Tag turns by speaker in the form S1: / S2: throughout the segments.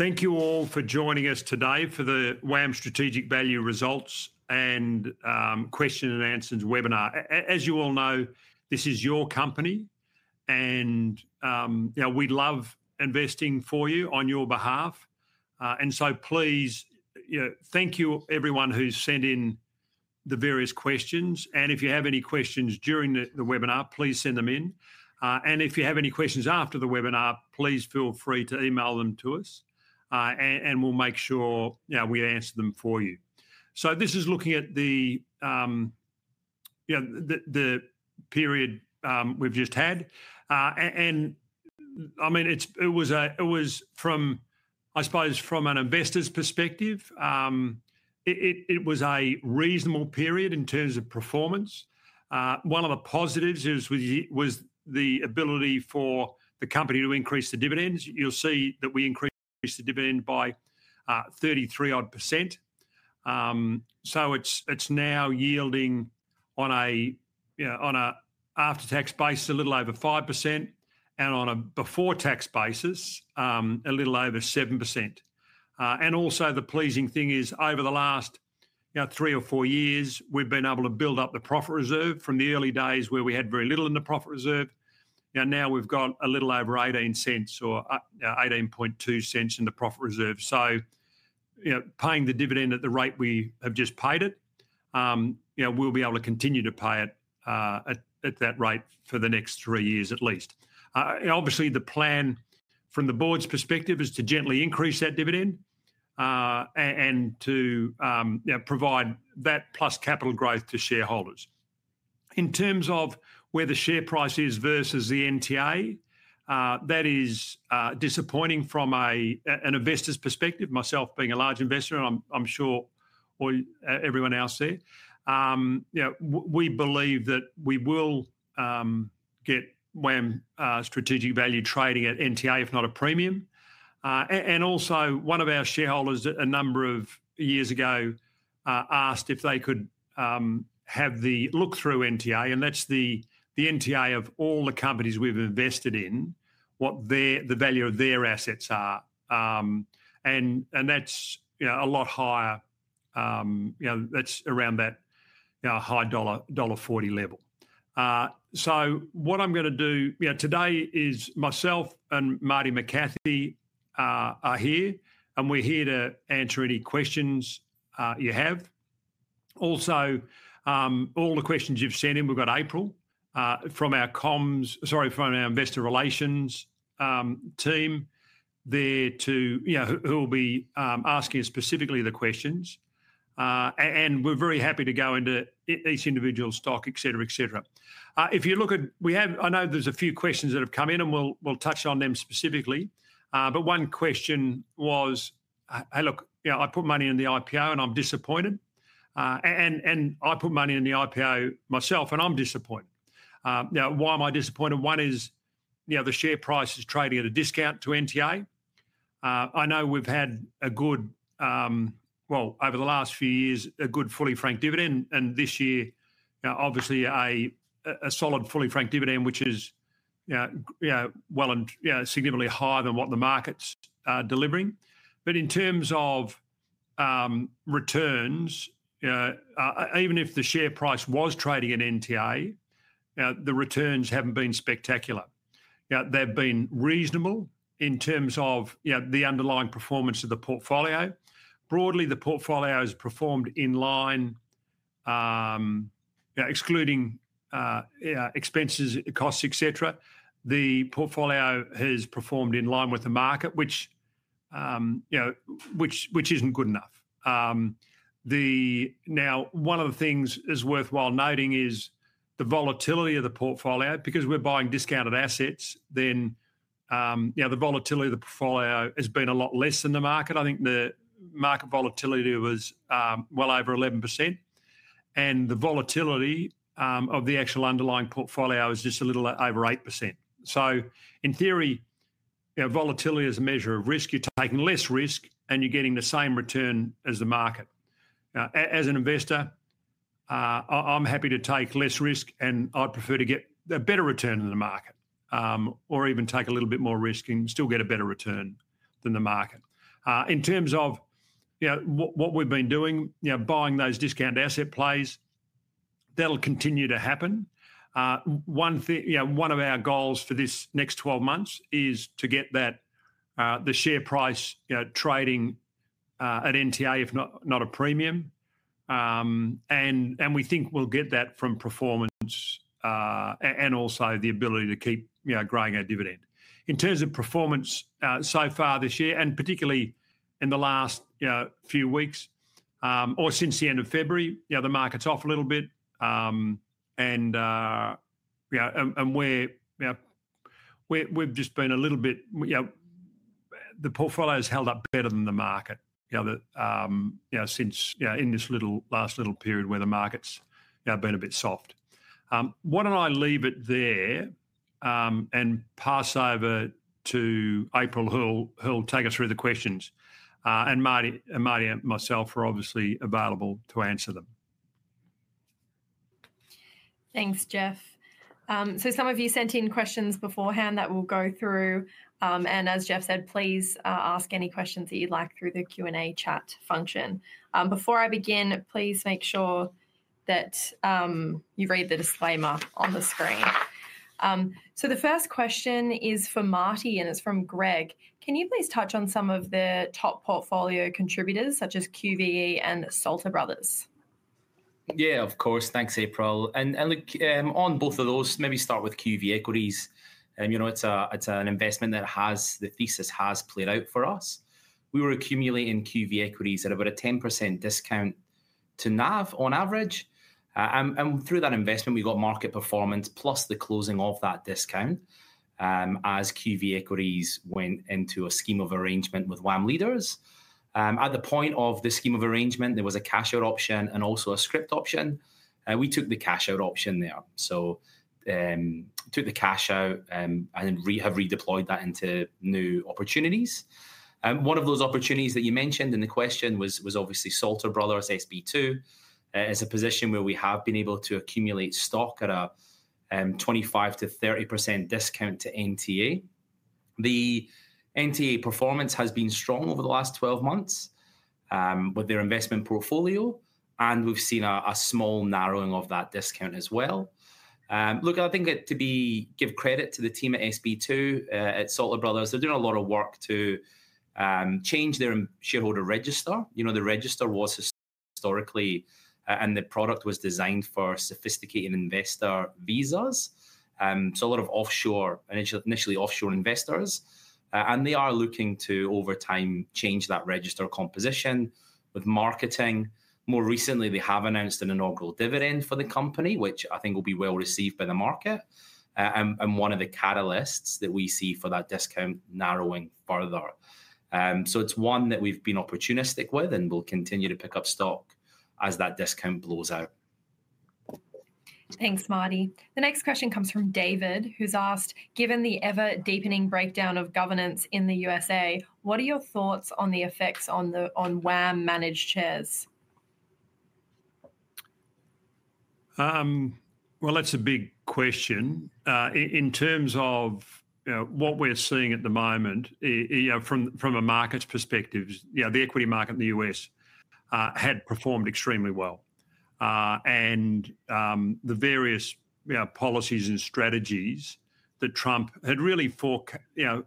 S1: Thank you all for joining us today for the WAM Strategic Value Results and Questions and Answers webinar. As you all know, this is your company, and we love investing for you on your behalf. Please, thank you everyone who sent in the various questions. If you have any questions during the webinar, please send them in. If you have any questions after the webinar, please feel free to email them to us, and we'll make sure we answer them for you. This is looking at the period we've just had. I mean, it was from, I suppose, from an investor's perspective, it was a reasonable period in terms of performance. One of the positives was the ability for the company to increase the dividends. You'll see that we increased the dividend by 33-odd %. It is now yielding on an after-tax base a little over 5%, and on a before-tax basis, a little over 7%. Also, the pleasing thing is over the last three or four years, we have been able to build up the profit reserve from the early days where we had very little in the profit reserve. Now we have a little over $ 0.18 or $ 0.182 in the profit reserve. Paying the dividend at the rate we have just paid it, we will be able to continue to pay it at that rate for the next three years at least. Obviously, the plan from the board's perspective is to gently increase that dividend and to provide that plus capital growth to shareholders. In terms of where the share price is versus the NTA, that is disappointing from an investor's perspective, myself being a large investor, and I'm sure everyone else there. We believe that we will get WAM Strategic Value trading at NTA, if not a premium. Also, one of our shareholders a number of years ago asked if they could have the look-through NTA, and that's the NTA of all the companies we've invested in, what the value of their assets are. That's a lot higher, that's around that high $ 1.40 level. What I'm going to do today is myself and Martyn McCathie are here, and we're here to answer any questions you have. Also, all the questions you've sent in, we've got April from our investor relations team there who will be asking specifically the questions. We are very happy to go into each individual stock, et cetera, et cetera. If you look at, I know there are a few questions that have come in, and we will touch on them specifically. One question was, "Hey, look, I put money in the IPO and I am disappointed. I put money in the IPO myself and I am disappointed. Why am I disappointed?" One is the share price is trading at a discount to NTA. I know we have had a good, well, over the last few years, a good fully franked dividend. This year, obviously, a solid fully franked dividend, which is well and significantly higher than what the market is delivering. In terms of returns, even if the share price was trading at NTA, the returns have not been spectacular. They have been reasonable in terms of the underlying performance of the portfolio. Broadly, the portfolio has performed in line, excluding expenses, costs, et cetera. The portfolio has performed in line with the market, which isn't good enough. Now, one of the things is worthwhile noting is the volatility of the portfolio. Because we're buying discounted assets, then the volatility of the portfolio has been a lot less than the market. I think the market volatility was well over 11%. And the volatility of the actual underlying portfolio is just a little over 8%. In theory, volatility is a measure of risk. You're taking less risk and you're getting the same return as the market. As an investor, I'm happy to take less risk, and I'd prefer to get a better return than the market, or even take a little bit more risk and still get a better return than the market. In terms of what we've been doing, buying those discount asset plays, that'll continue to happen. One of our goals for this next 12 months is to get the share price trading at NTA, if not a premium. We think we'll get that from performance and also the ability to keep growing our dividend. In terms of performance so far this year, and particularly in the last few weeks or since the end of February, the market's off a little bit. We've just been a little bit, the portfolio's held up better than the market since in this last little period where the market's been a bit soft. Why don't I leave it there and pass over to April, who'll take us through the questions. Martyn and myself are obviously available to answer them.
S2: Thanks, Geoff. Some of you sent in questions beforehand that we'll go through. As Geoff said, please ask any questions that you'd like through the Q&A chat function. Before I begin, please make sure that you read the disclaimer on the screen. The first question is for Martyn, and it's from Greg. Can you please touch on some of the top portfolio contributors such as QVE and Salter Brothers?
S3: Yeah, of course. Thanks, April. Look, on both of those, maybe start with QV Equities. It's an investment that has the thesis has played out for us. We were accumulating QV Equities at about a 10% discount to NAV on average. Through that investment, we got market performance plus the closing of that discount as QV Equities went into a scheme of arrangement with WAM Leaders. At the point of the scheme of arrangement, there was a cash-out option and also a scrip option. We took the cash-out option there. Took the cash-out and have redeployed that into new opportunities. One of those opportunities that you mentioned in the question was obviously Salter Brothers SB2. It's a position where we have been able to accumulate stock at a 25%-30% discount to NTA. The NTA performance has been strong over the last 12 months with their investment portfolio, and we've seen a small narrowing of that discount as well. Look, I think to give credit to the team at SB2 at Salter Brothers, they're doing a lot of work to change their shareholder register. The register was historically, and the product was designed for sophisticated investor visas. So a lot of initially offshore investors. They are looking to over time change that register composition with marketing. More recently, they have announced an inaugural dividend for the company, which I think will be well received by the market. One of the catalysts that we see for that discount narrowing further. It is one that we've been opportunistic with and will continue to pick up stock as that discount blows out.
S2: Thanks, Martyn. The next question comes from David, who's asked, "Given the ever-deepening breakdown of governance in the U.S., what are your thoughts on the effects on WAM managed shares?
S1: That's a big question. In terms of what we're seeing at the moment, from a market perspective, the equity market in the U.S. had performed extremely well. The various policies and strategies that Trump had really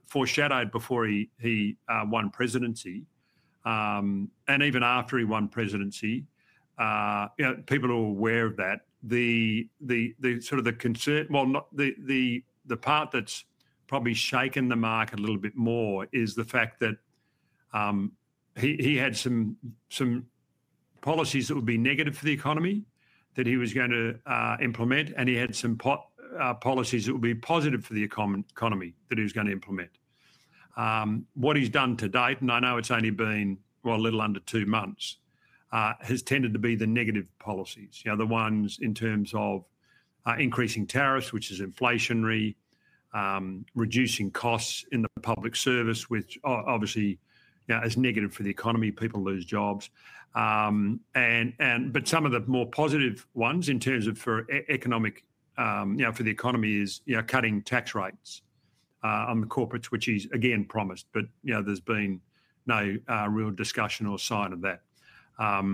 S1: foreshadowed before he won presidency, and even after he won presidency, people are aware of that. The sort of the concern, the part that's probably shaken the market a little bit more is the fact that he had some policies that would be negative for the economy that he was going to implement, and he had some policies that would be positive for the economy that he was going to implement. What he's done to date, and I know it's only been a little under two months, has tended to be the negative policies, the ones in terms of increasing tariffs, which is inflationary, reducing costs in the public service, which obviously is negative for the economy, people lose jobs. Some of the more positive ones in terms of for the economy is cutting tax rates on the corporates, which he's again promised, but there's been no real discussion or sign of that. I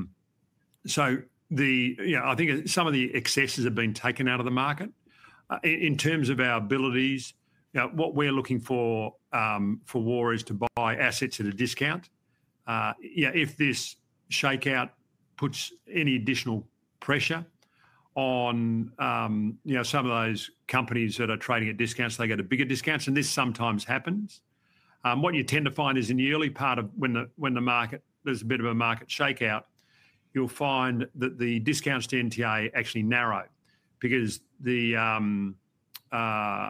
S1: think some of the excesses have been taken out of the market. In terms of our abilities, what we're looking for for WAM is to buy assets at a discount. If this shakeout puts any additional pressure on some of those companies that are trading at discounts, they get a bigger discount. This sometimes happens. What you tend to find is in the early part of when the market, there's a bit of a market shakeout, you'll find that the discounts to NTA actually narrow because, well, actually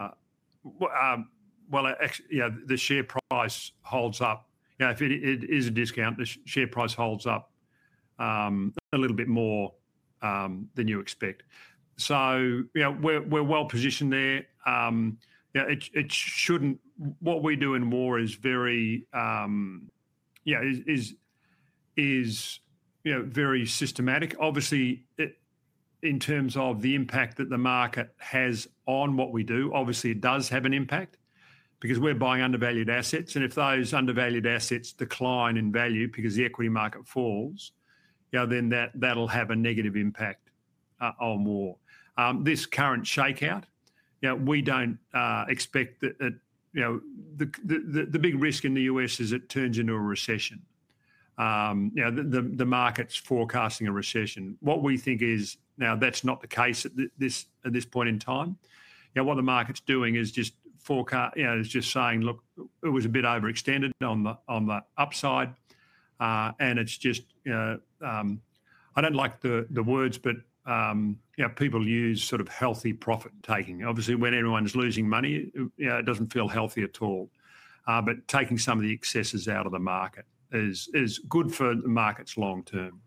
S1: the share price holds up. If it is a discount, the share price holds up a little bit more than you expect. So we're well positioned there. What we do in WAM is very systematic. Obviously, in terms of the impact that the market has on what we do, obviously it does have an impact because we're buying undervalued assets. And if those undervalued assets decline in value because the equity market falls, then that'll have a negative impact on WAM. This current shakeout, we don't expect that the big risk in the U.S. is it turns into a recession. The market's forecasting a recession. What we think is now that's not the case at this point in time. What the market's doing is just forecast, is just saying, "Look, it was a bit overextended on the upside." It is just, I don't like the words, but people use sort of healthy profit taking. Obviously, when everyone's losing money, it doesn't feel healthy at all. Taking some of the excesses out of the market is good for the markets long term.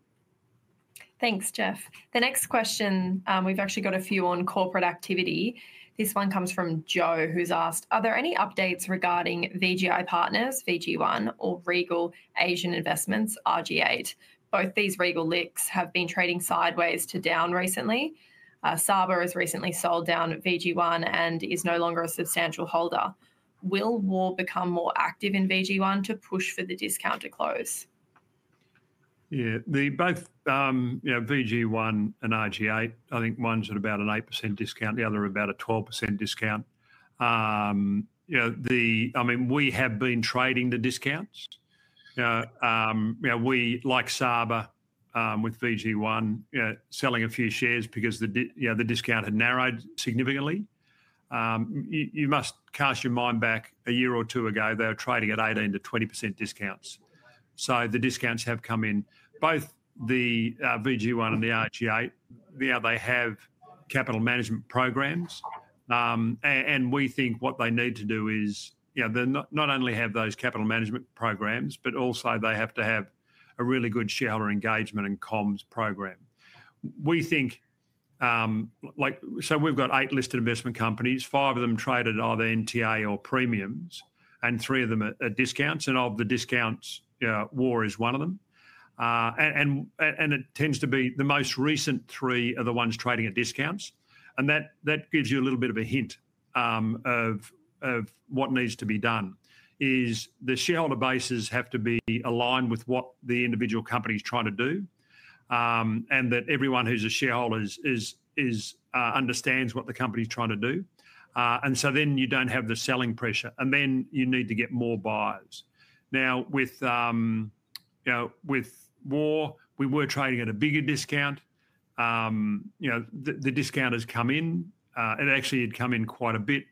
S2: Thanks, Geoff. The next question, we've actually got a few on corporate activity. This one comes from Joe, who's asked, "Are there any updates regarding VGI Partners, VG1, or Regal Asian Investments, RG8? Both these Regal LICs have been trading sideways to down recently. SABR has recently sold down VG1 and is no longer a substantial holder. Will WAM become more active in VG1 to push for the discount to close?
S1: Yeah, both VG1 and RG8, I think one's at about an 8% discount, the other about a 12% discount. I mean, we have been trading the discounts. We, like SABR with VG1, selling a few shares because the discount had narrowed significantly. You must cast your mind back a year or two ago, they were trading at 18%-20% discounts. The discounts have come in. Both the VG1 and the RG8, they have capital management programs. We think what they need to do is not only have those capital management programs, but also they have to have a really good shareholder engagement and comms program. We've got eight listed investment companies, five of them traded either NTA or premiums and three of them at discounts. Of the discounts, WAM is one of them. It tends to be the most recent three are the ones trading at discounts. That gives you a little bit of a hint of what needs to be done is the shareholder bases have to be aligned with what the individual company's trying to do and that everyone who's a shareholder understands what the company's trying to do. You do not have the selling pressure. You need to get more buyers. Now, with WAM, we were trading at a bigger discount. The discount has come in. It actually had come in quite a bit,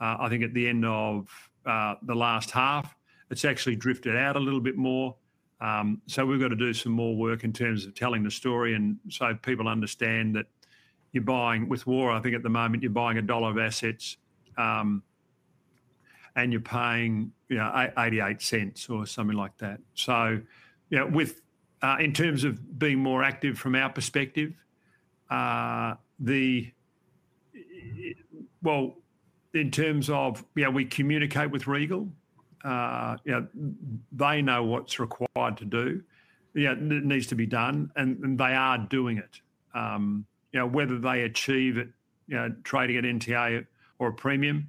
S1: I think at the end of the last half. It's actually drifted out a little bit more. We have to do some more work in terms of telling the story and so people understand that you're buying with WAM, I think at the moment you're buying a dollar of assets and you're paying $ 0.88 or something like that. In terms of being more active from our perspective, in terms of we communicate with Regal. They know what's required to do, needs to be done, and they are doing it. Whether they achieve it trading at NTA or a premium,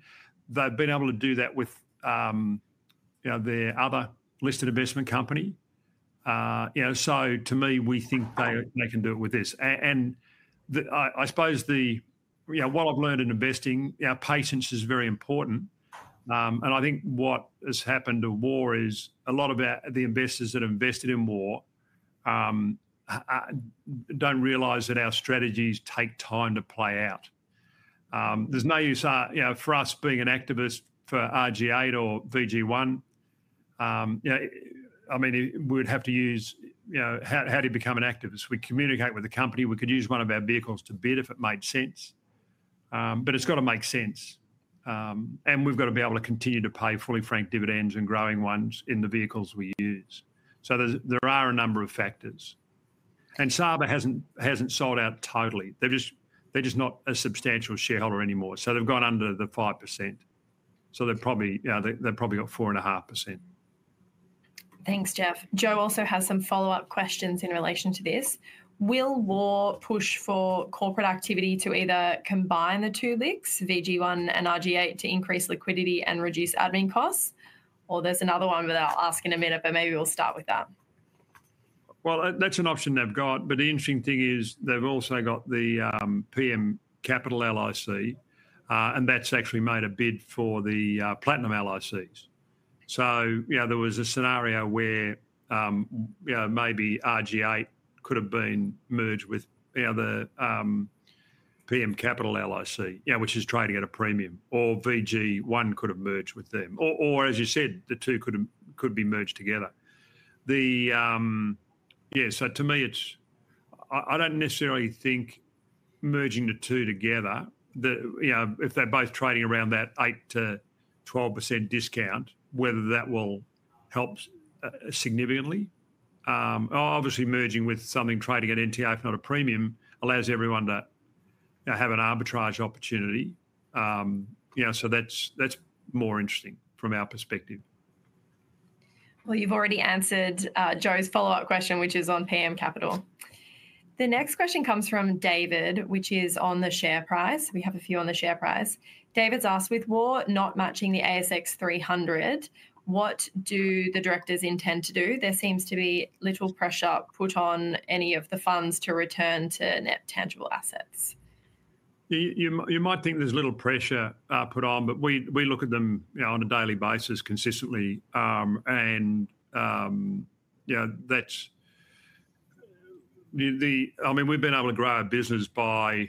S1: they've been able to do that with their other listed investment company. To me, we think they can do it with this. I suppose what I've learned in investing, patience is very important. I think what has happened to WAM is a lot of the investors that have invested in WAM do not realize that our strategies take time to play out. There's no use for us being an activist for RG8 or VG1. I mean, we would have to use how do you become an activist? We communicate with the company. We could use one of our vehicles to bid if it made sense. It has got to make sense. We have got to be able to continue to pay fully franked dividends and growing ones in the vehicles we use. There are a number of factors. SABR has not sold out totally. They are just not a substantial shareholder anymore. They have gone under the 5%. They have probably got 4.5%.
S2: Thanks, Geoff. Joe also has some follow-up questions in relation to this. Will WAM push for corporate activity to either combine the two LICs, VG1 and RG8, to increase liquidity and reduce admin costs? Or there's another one without asking a minute, but maybe we'll start with that.
S1: That's an option they've got. The interesting thing is they've also got the PM Capital LIC, and that's actually made a bid for the Platinum LICs. There was a scenario where maybe RG8 could have been merged with the PM Capital LIC, which is trading at a premium, or VG1 could have merged with them. As you said, the two could be merged together. To me, I don't necessarily think merging the two together, if they're both trading around that 8-12% discount, whether that will help significantly. Obviously, merging with something trading at NTA, if not a premium, allows everyone to have an arbitrage opportunity. That's more interesting from our perspective.
S2: You've already answered Joe's follow-up question, which is on PM Capital. The next question comes from David, which is on the share price. We have a few on the share price. David's asked, "With WAM not matching the ASX 300, what do the directors intend to do? There seems to be little pressure put on any of the funds to return to net tangible assets.
S1: You might think there's little pressure put on, but we look at them on a daily basis consistently. I mean, we've been able to grow our business by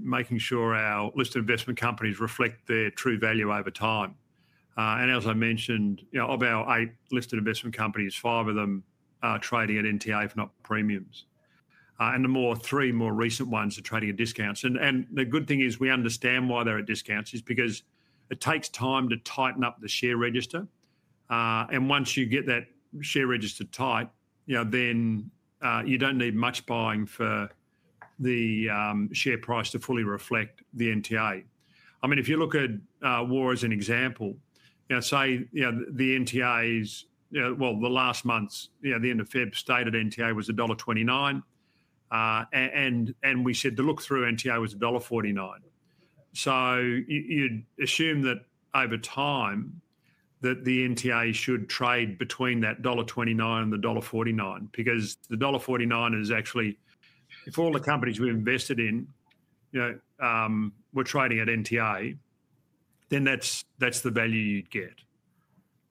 S1: making sure our listed investment companies reflect their true value over time. As I mentioned, of our eight listed investment companies, five of them are trading at NTA, if not premiums. The three more recent ones are trading at discounts. The good thing is we understand why they're at discounts, because it takes time to tighten up the share register. Once you get that share register tight, then you don't need much buying for the share price to fully reflect the NTA. If you look at WAM as an example, say the NTAs, the last month's, the end of February, stated NTA was $ 1.29. We said the look-through NTA was $ 1.49. You'd assume that over time the NTA should trade between $ 1.29 and $ 1.49 because the $ 1.49 is actually, if all the companies we've invested in were trading at NTA, then that's the value you'd get.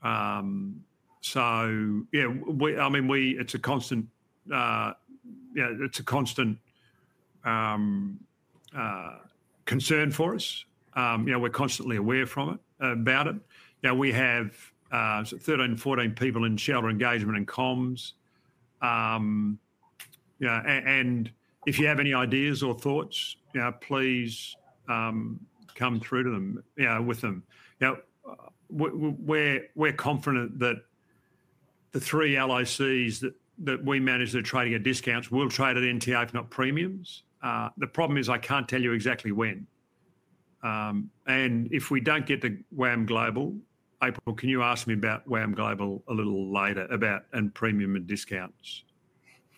S1: Yeah, I mean, it's a constant concern for us. We're constantly aware about it. We have 13-14 people in shareholder engagement and comms. If you have any ideas or thoughts, please come through with them. We're confident that the three LICs that we manage that are trading at discounts will trade at NTA, if not premiums. The problem is I can't tell you exactly when. If we don't get to WAM Global, April, can you ask me about WAM Global a little later about premium and discounts?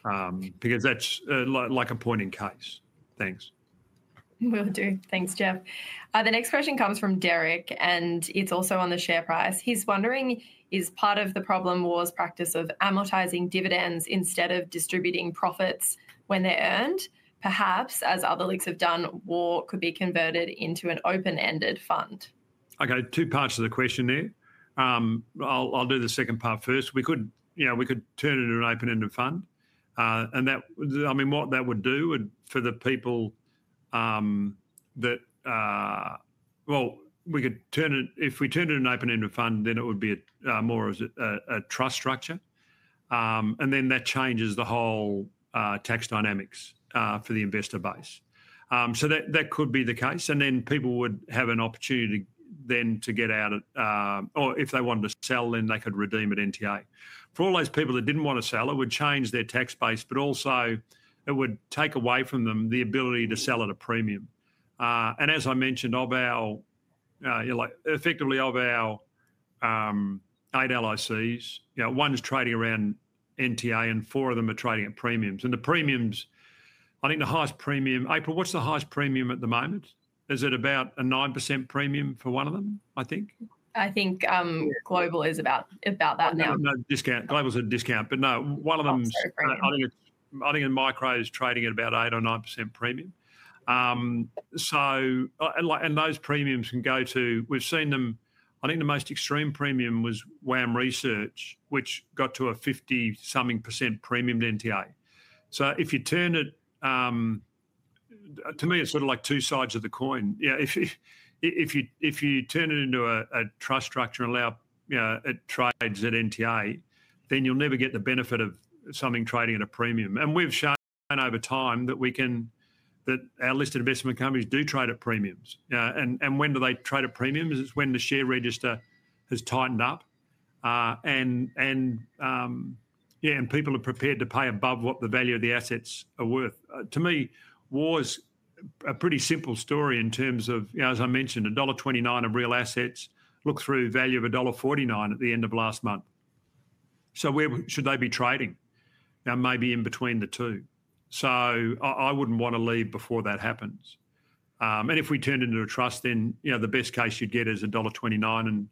S1: That's like a point in case. Thanks.
S2: Will do. Thanks, Geoff. The next question comes from Derek, and it's also on the share price. He's wondering, is part of the problem WAM's practice of amortizing dividends instead of distributing profits when they're earned? Perhaps, as other LICs have done, WAM could be converted into an open-ended fund.
S1: Okay, two parts of the question there. I'll do the second part first. We could turn it into an open-ended fund. I mean, what that would do for the people that, well, we could turn it, if we turned it into an open-ended fund, then it would be more of a trust structure. That changes the whole tax dynamics for the investor base. That could be the case. People would have an opportunity then to get out, or if they wanted to sell, they could redeem at NTA. For all those people that didn't want to sell, it would change their tax base, but also it would take away from them the ability to sell at a premium. As I mentioned, effectively of our eight LICs, one is trading around NTA and four of them are trading at premiums. The premiums, I think the highest premium, April, what's the highest premium at the moment? Is it about a 9% premium for one of them, I think?
S2: I think global is about that now.
S1: No, discount. Global's a discount, but no, one of them, I think in micro is trading at about 8% or 9% premium. Those premiums can go to, we've seen them, I think the most extreme premium was WAM Research, which got to a 50-something % premium at NTA. To me, it's sort of like two sides of the coin. If you turn it into a trust structure and allow it trades at NTA, then you'll never get the benefit of something trading at a premium. We've shown over time that our listed investment companies do trade at premiums. When do they trade at premiums? It's when the share register has tightened up and people are prepared to pay above what the value of the assets are worth. To me, WAM's a pretty simple story in terms of, as I mentioned, $ 1.29 of real assets, look-through value of $ 1.49 at the end of last month. Where should they be trading? Maybe in between the two. I would not want to leave before that happens. If we turned it into a trust, the best case you would get is $ 1.29.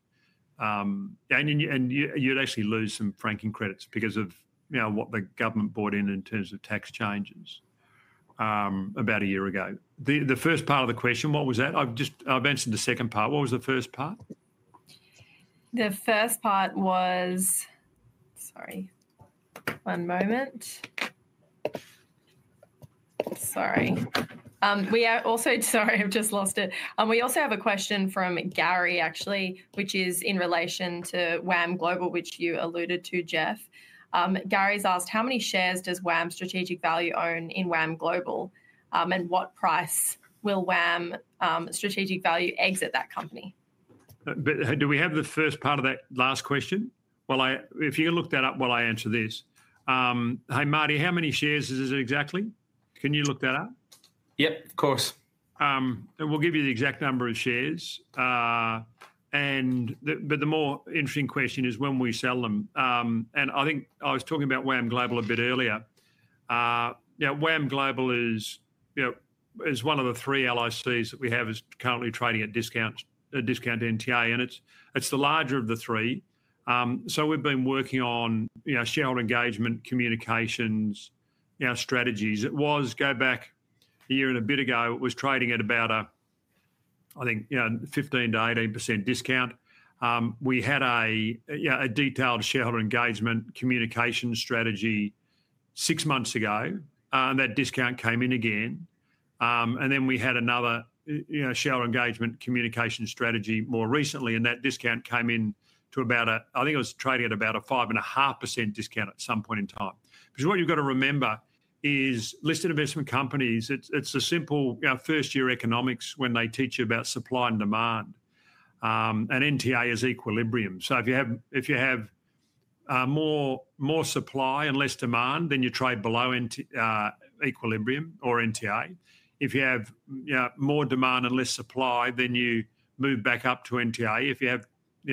S1: You would actually lose some franking credits because of what the government brought in in terms of tax changes about a year ago. The first part of the question, what was that? I have answered the second part. What was the first part?
S2: The first part was, sorry, one moment. Sorry. Sorry, I've just lost it. We also have a question from Gary, actually, which is in relation to WAM Global, which you alluded to, Geoff. Gary's asked, "How many shares does WAM Strategic Value own in WAM Global? And what price will WAM Strategic Value exit that company?
S1: Do we have the first part of that last question? If you can look that up while I answer this. Hey, Martyn, how many shares is it exactly? Can you look that up?
S3: Yep, of course.
S1: We will give you the exact number of shares. The more interesting question is when we sell them. I think I was talking about WAM Global a bit earlier. WAM Global is one of the three LICs that we have and is currently trading at a discount to NTA. It is the larger of the three. We have been working on shareholder engagement, communications, strategies. Go back a year and a bit ago, it was trading at about a, I think, 15%-18% discount. We had a detailed shareholder engagement communication strategy six months ago. That discount came in again. We had another shareholder engagement communication strategy more recently. That discount came in to about a, I think it was trading at about a 5.5% discount at some point in time. Because what you've got to remember is listed investment companies, it's a simple first-year economics when they teach you about supply and demand. NTA is equilibrium. If you have more supply and less demand, then you trade below equilibrium or NTA. If you have more demand and less supply, then you move back up to NTA. If you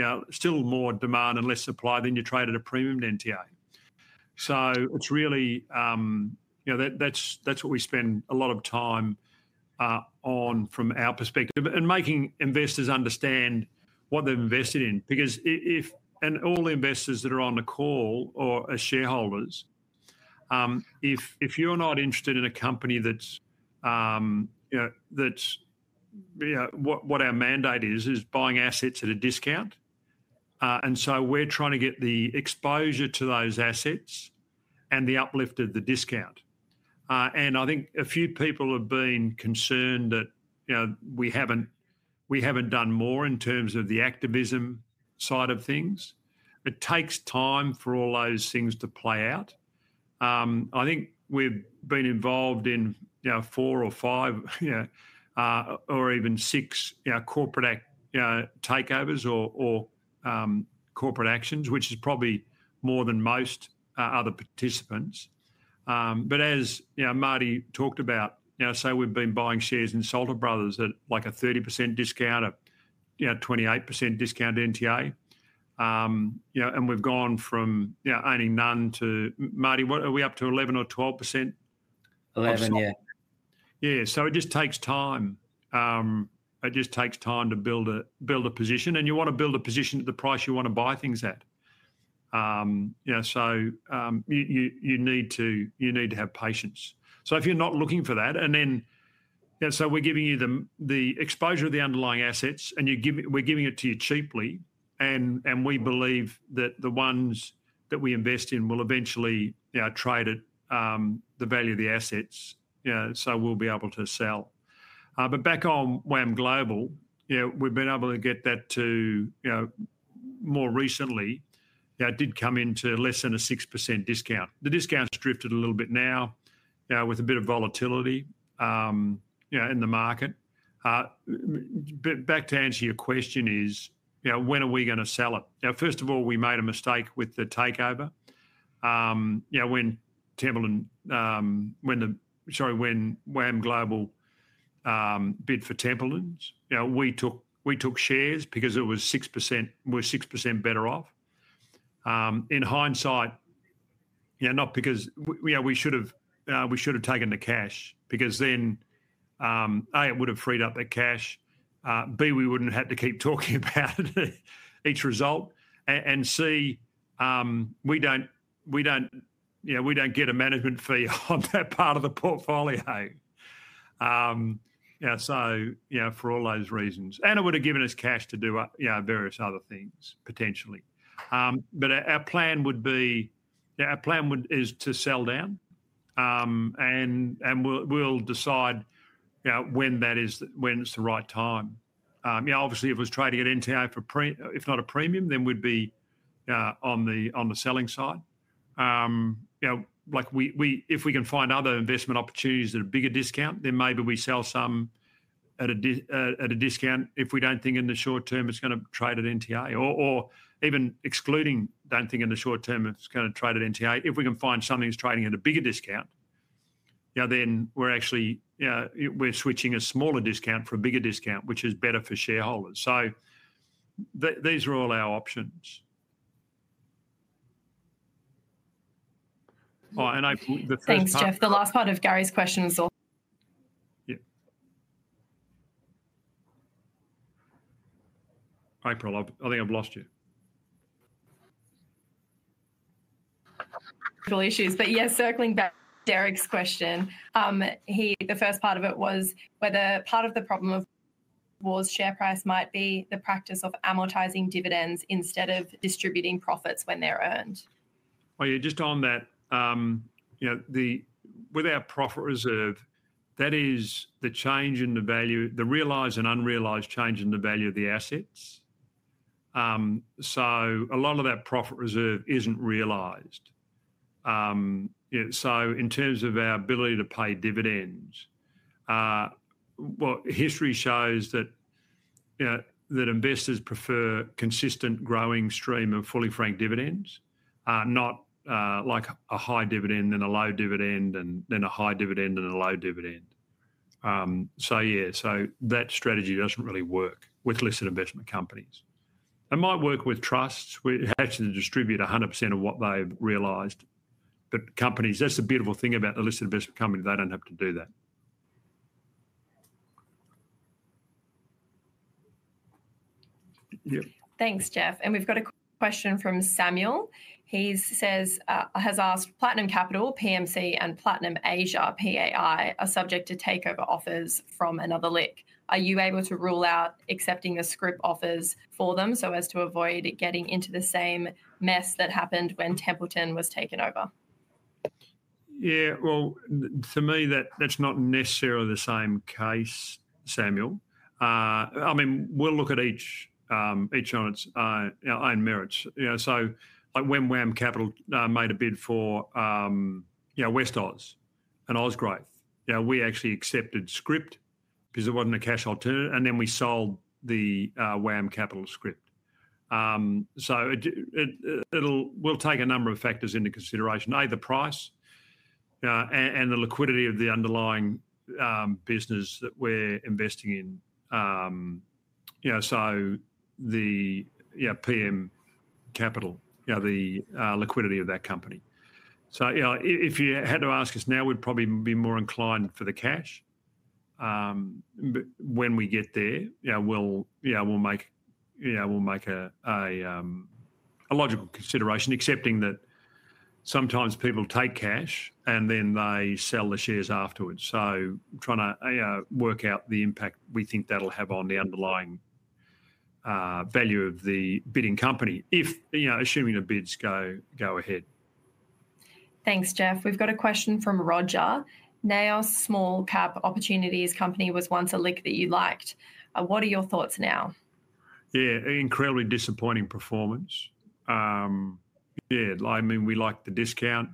S1: have still more demand and less supply, then you trade at a premium to NTA. It's really, that's what we spend a lot of time on from our perspective and making investors understand what they've invested in. All investors that are on the call or shareholders, if you're not interested in a company, that's what our mandate is, buying assets at a discount. We're trying to get the exposure to those assets and the uplift of the discount. I think a few people have been concerned that we have not done more in terms of the activism side of things. It takes time for all those things to play out. I think we have been involved in four or five or even six corporate takeovers or corporate actions, which is probably more than most other participants. As Martyn talked about, say we have been buying shares in Salter Brothers at like a 30% discount, a 28% discount NTA. We have gone from owning none to, Martyn, are we up to 11% or 12%?
S3: 11%, yeah.
S1: Yeah. It just takes time. It just takes time to build a position. You want to build a position at the price you want to buy things at. You need to have patience. If you're not looking for that, we're giving you the exposure of the underlying assets, and we're giving it to you cheaply. We believe that the ones that we invest in will eventually trade at the value of the assets, so we'll be able to sell. Back on WAM Global, we've been able to get that to more recently. It did come into less than a 6% discount. The discount's drifted a little bit now with a bit of volatility in the market. To answer your question, when are we going to sell it? First of all, we made a mistake with the takeover. Sorry, when WAM Global bid for Templins, we took shares because we were 6% better off. In hindsight, not because we should have taken the cash because then A, it would have freed up the cash. B, we would not have had to keep talking about each result. C, we do not get a management fee on that part of the portfolio. For all those reasons. It would have given us cash to do various other things potentially. Our plan would be, our plan is to sell down. We will decide when it is the right time. Obviously, if it was trading at NTA, if not a premium, we would be on the selling side. If we can find other investment opportunities at a bigger discount, then maybe we sell some at a discount if we do not think in the short term it is going to trade at NTA. Even excluding, don't think in the short term it's going to trade at NTA. If we can find something that's trading at a bigger discount, then we're switching a smaller discount for a bigger discount, which is better for shareholders. These are all our options. I think.
S2: Thanks, Geoff. The last part of Gary's question was.
S1: Yeah. April, I think I've lost you.
S2: Issues. Yeah, circling back to Derek's question, the first part of it was whether part of the problem of WAM's share price might be the practice of amortizing dividends instead of distributing profits when they're earned.
S1: Oh, yeah, just on that, with our profit reserve, that is the change in the value, the realized and unrealized change in the value of the assets. So a lot of that profit reserve is not realized. In terms of our ability to pay dividends, history shows that investors prefer a consistent growing stream of fully franked dividends, not like a high dividend, then a low dividend, and then a high dividend, then a low dividend. That strategy does not really work with listed investment companies. It might work with trusts where you actually distribute 100% of what they have realized. With companies, that is the beautiful thing about the listed investment company, they do not have to do that.
S2: Thanks, Geoff. We have a question from Samuel. He has asked, "Platinum Capital, PMC, and Platinum Asia, PAI, are subject to takeover offers from another LIC. Are you able to rule out accepting the scrip offers for them so as to avoid getting into the same mess that happened when Templeton was taken over?
S1: Yeah, to me, that's not necessarily the same case, Samuel. I mean, we'll look at each on its own merits. When WAM Capital made a bid for West Oz and OzGrowth, we actually accepted script because it wasn't a cash alternative. Then we sold the WAM Capital script. It'll take a number of factors into consideration, either price and the liquidity of the underlying business that we're investing in. The PM Capital, the liquidity of that company. If you had to ask us now, we'd probably be more inclined for the cash. When we get there, we'll make a logical consideration, accepting that sometimes people take cash and then they sell the shares afterwards. Trying to work out the impact we think that'll have on the underlying value of the bidding company, assuming the bids go ahead.
S2: Thanks, Geoff. We've got a question from Roger. "NAOS Small Cap Opportunities Company was once a LIC that you liked. What are your thoughts now?
S1: Yeah, incredibly disappointing performance. Yeah, I mean, we like the discount.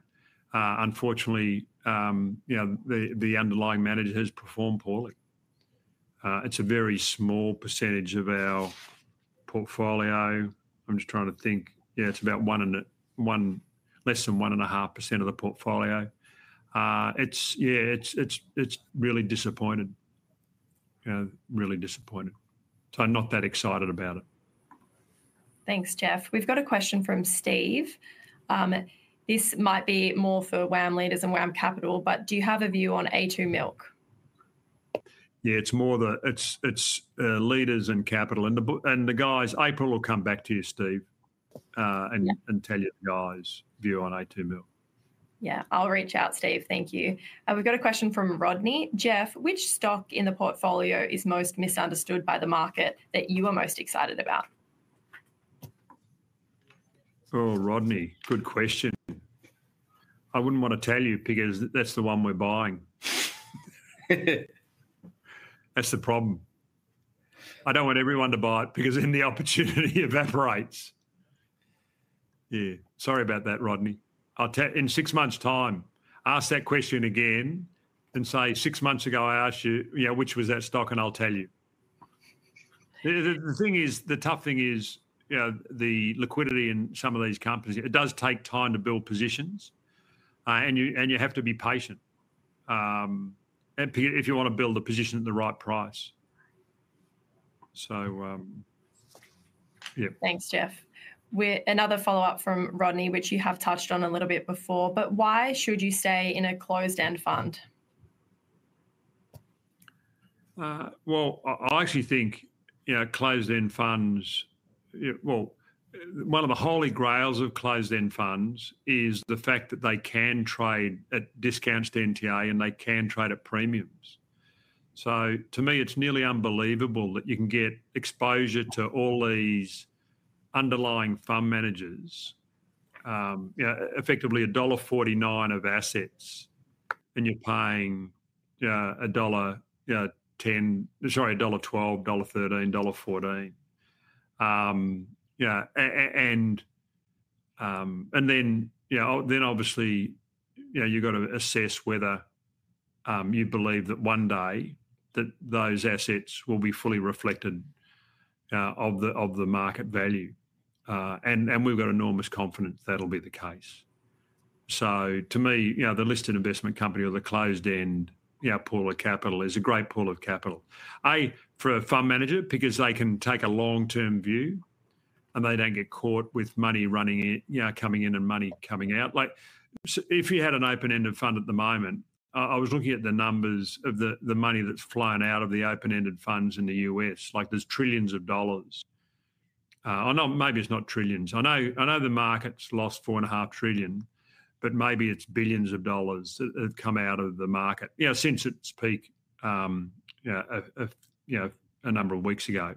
S1: Unfortunately, the underlying manager has performed poorly. It's a very small percentage of our portfolio. I'm just trying to think. Yeah, it's about less than 1.5% of the portfolio. Yeah, it's really disappointing. Really disappointing. Not that excited about it.
S2: Thanks, Geoff. We've got a question from Steve. This might be more for WAM Leaders and WAM Capital, but do you have a view on A2 Milk?
S1: Yeah, it's more the leaders and capital. The guys, April will come back to you, Steve, and tell you the guys' view on A2 Milk.
S2: Yeah, I'll reach out, Steve. Thank you. We've got a question from Rodney. "Geoff, which stock in the portfolio is most misunderstood by the market that you are most excited about?
S1: Oh, Rodney, good question. I would not want to tell you because that is the one we are buying. That is the problem. I do not want everyone to buy it because then the opportunity evaporates. Yeah, sorry about that, Rodney. In six months' time, ask that question again and say, "Six months ago, I asked you, which was that stock?" and I will tell you. The tough thing is the liquidity in some of these companies. It does take time to build positions. You have to be patient if you want to build a position at the right price. Yeah.
S2: Thanks, Geoff. Another follow-up from Rodney, which you have touched on a little bit before. Why should you stay in a closed-end fund?
S1: I actually think closed-end funds, one of the holy grails of closed-end funds is the fact that they can trade at discounts to NTA and they can trade at premiums. To me, it's nearly unbelievable that you can get exposure to all these underlying fund managers, effectively $ 1.49 of assets, and you're paying $ 1.10, sorry, $ 1.12, $ 1.13, $ 1.14. Obviously, you've got to assess whether you believe that one day those assets will be fully reflected of the market value. We've got enormous confidence that'll be the case. To me, the listed investment company or the closed-end pool of capital is a great pool of capital. A, for a fund manager, because they can take a long-term view and they don't get caught with money coming in and money coming out. If you had an open-ended fund at the moment, I was looking at the numbers of the money that's flown out of the open-ended funds in the U.S. There's trillions of dollars. Maybe it's not trillions. I know the market's lost $4.5 trillion, but maybe it's billions of dollars that have come out of the market since its peak a number of weeks ago.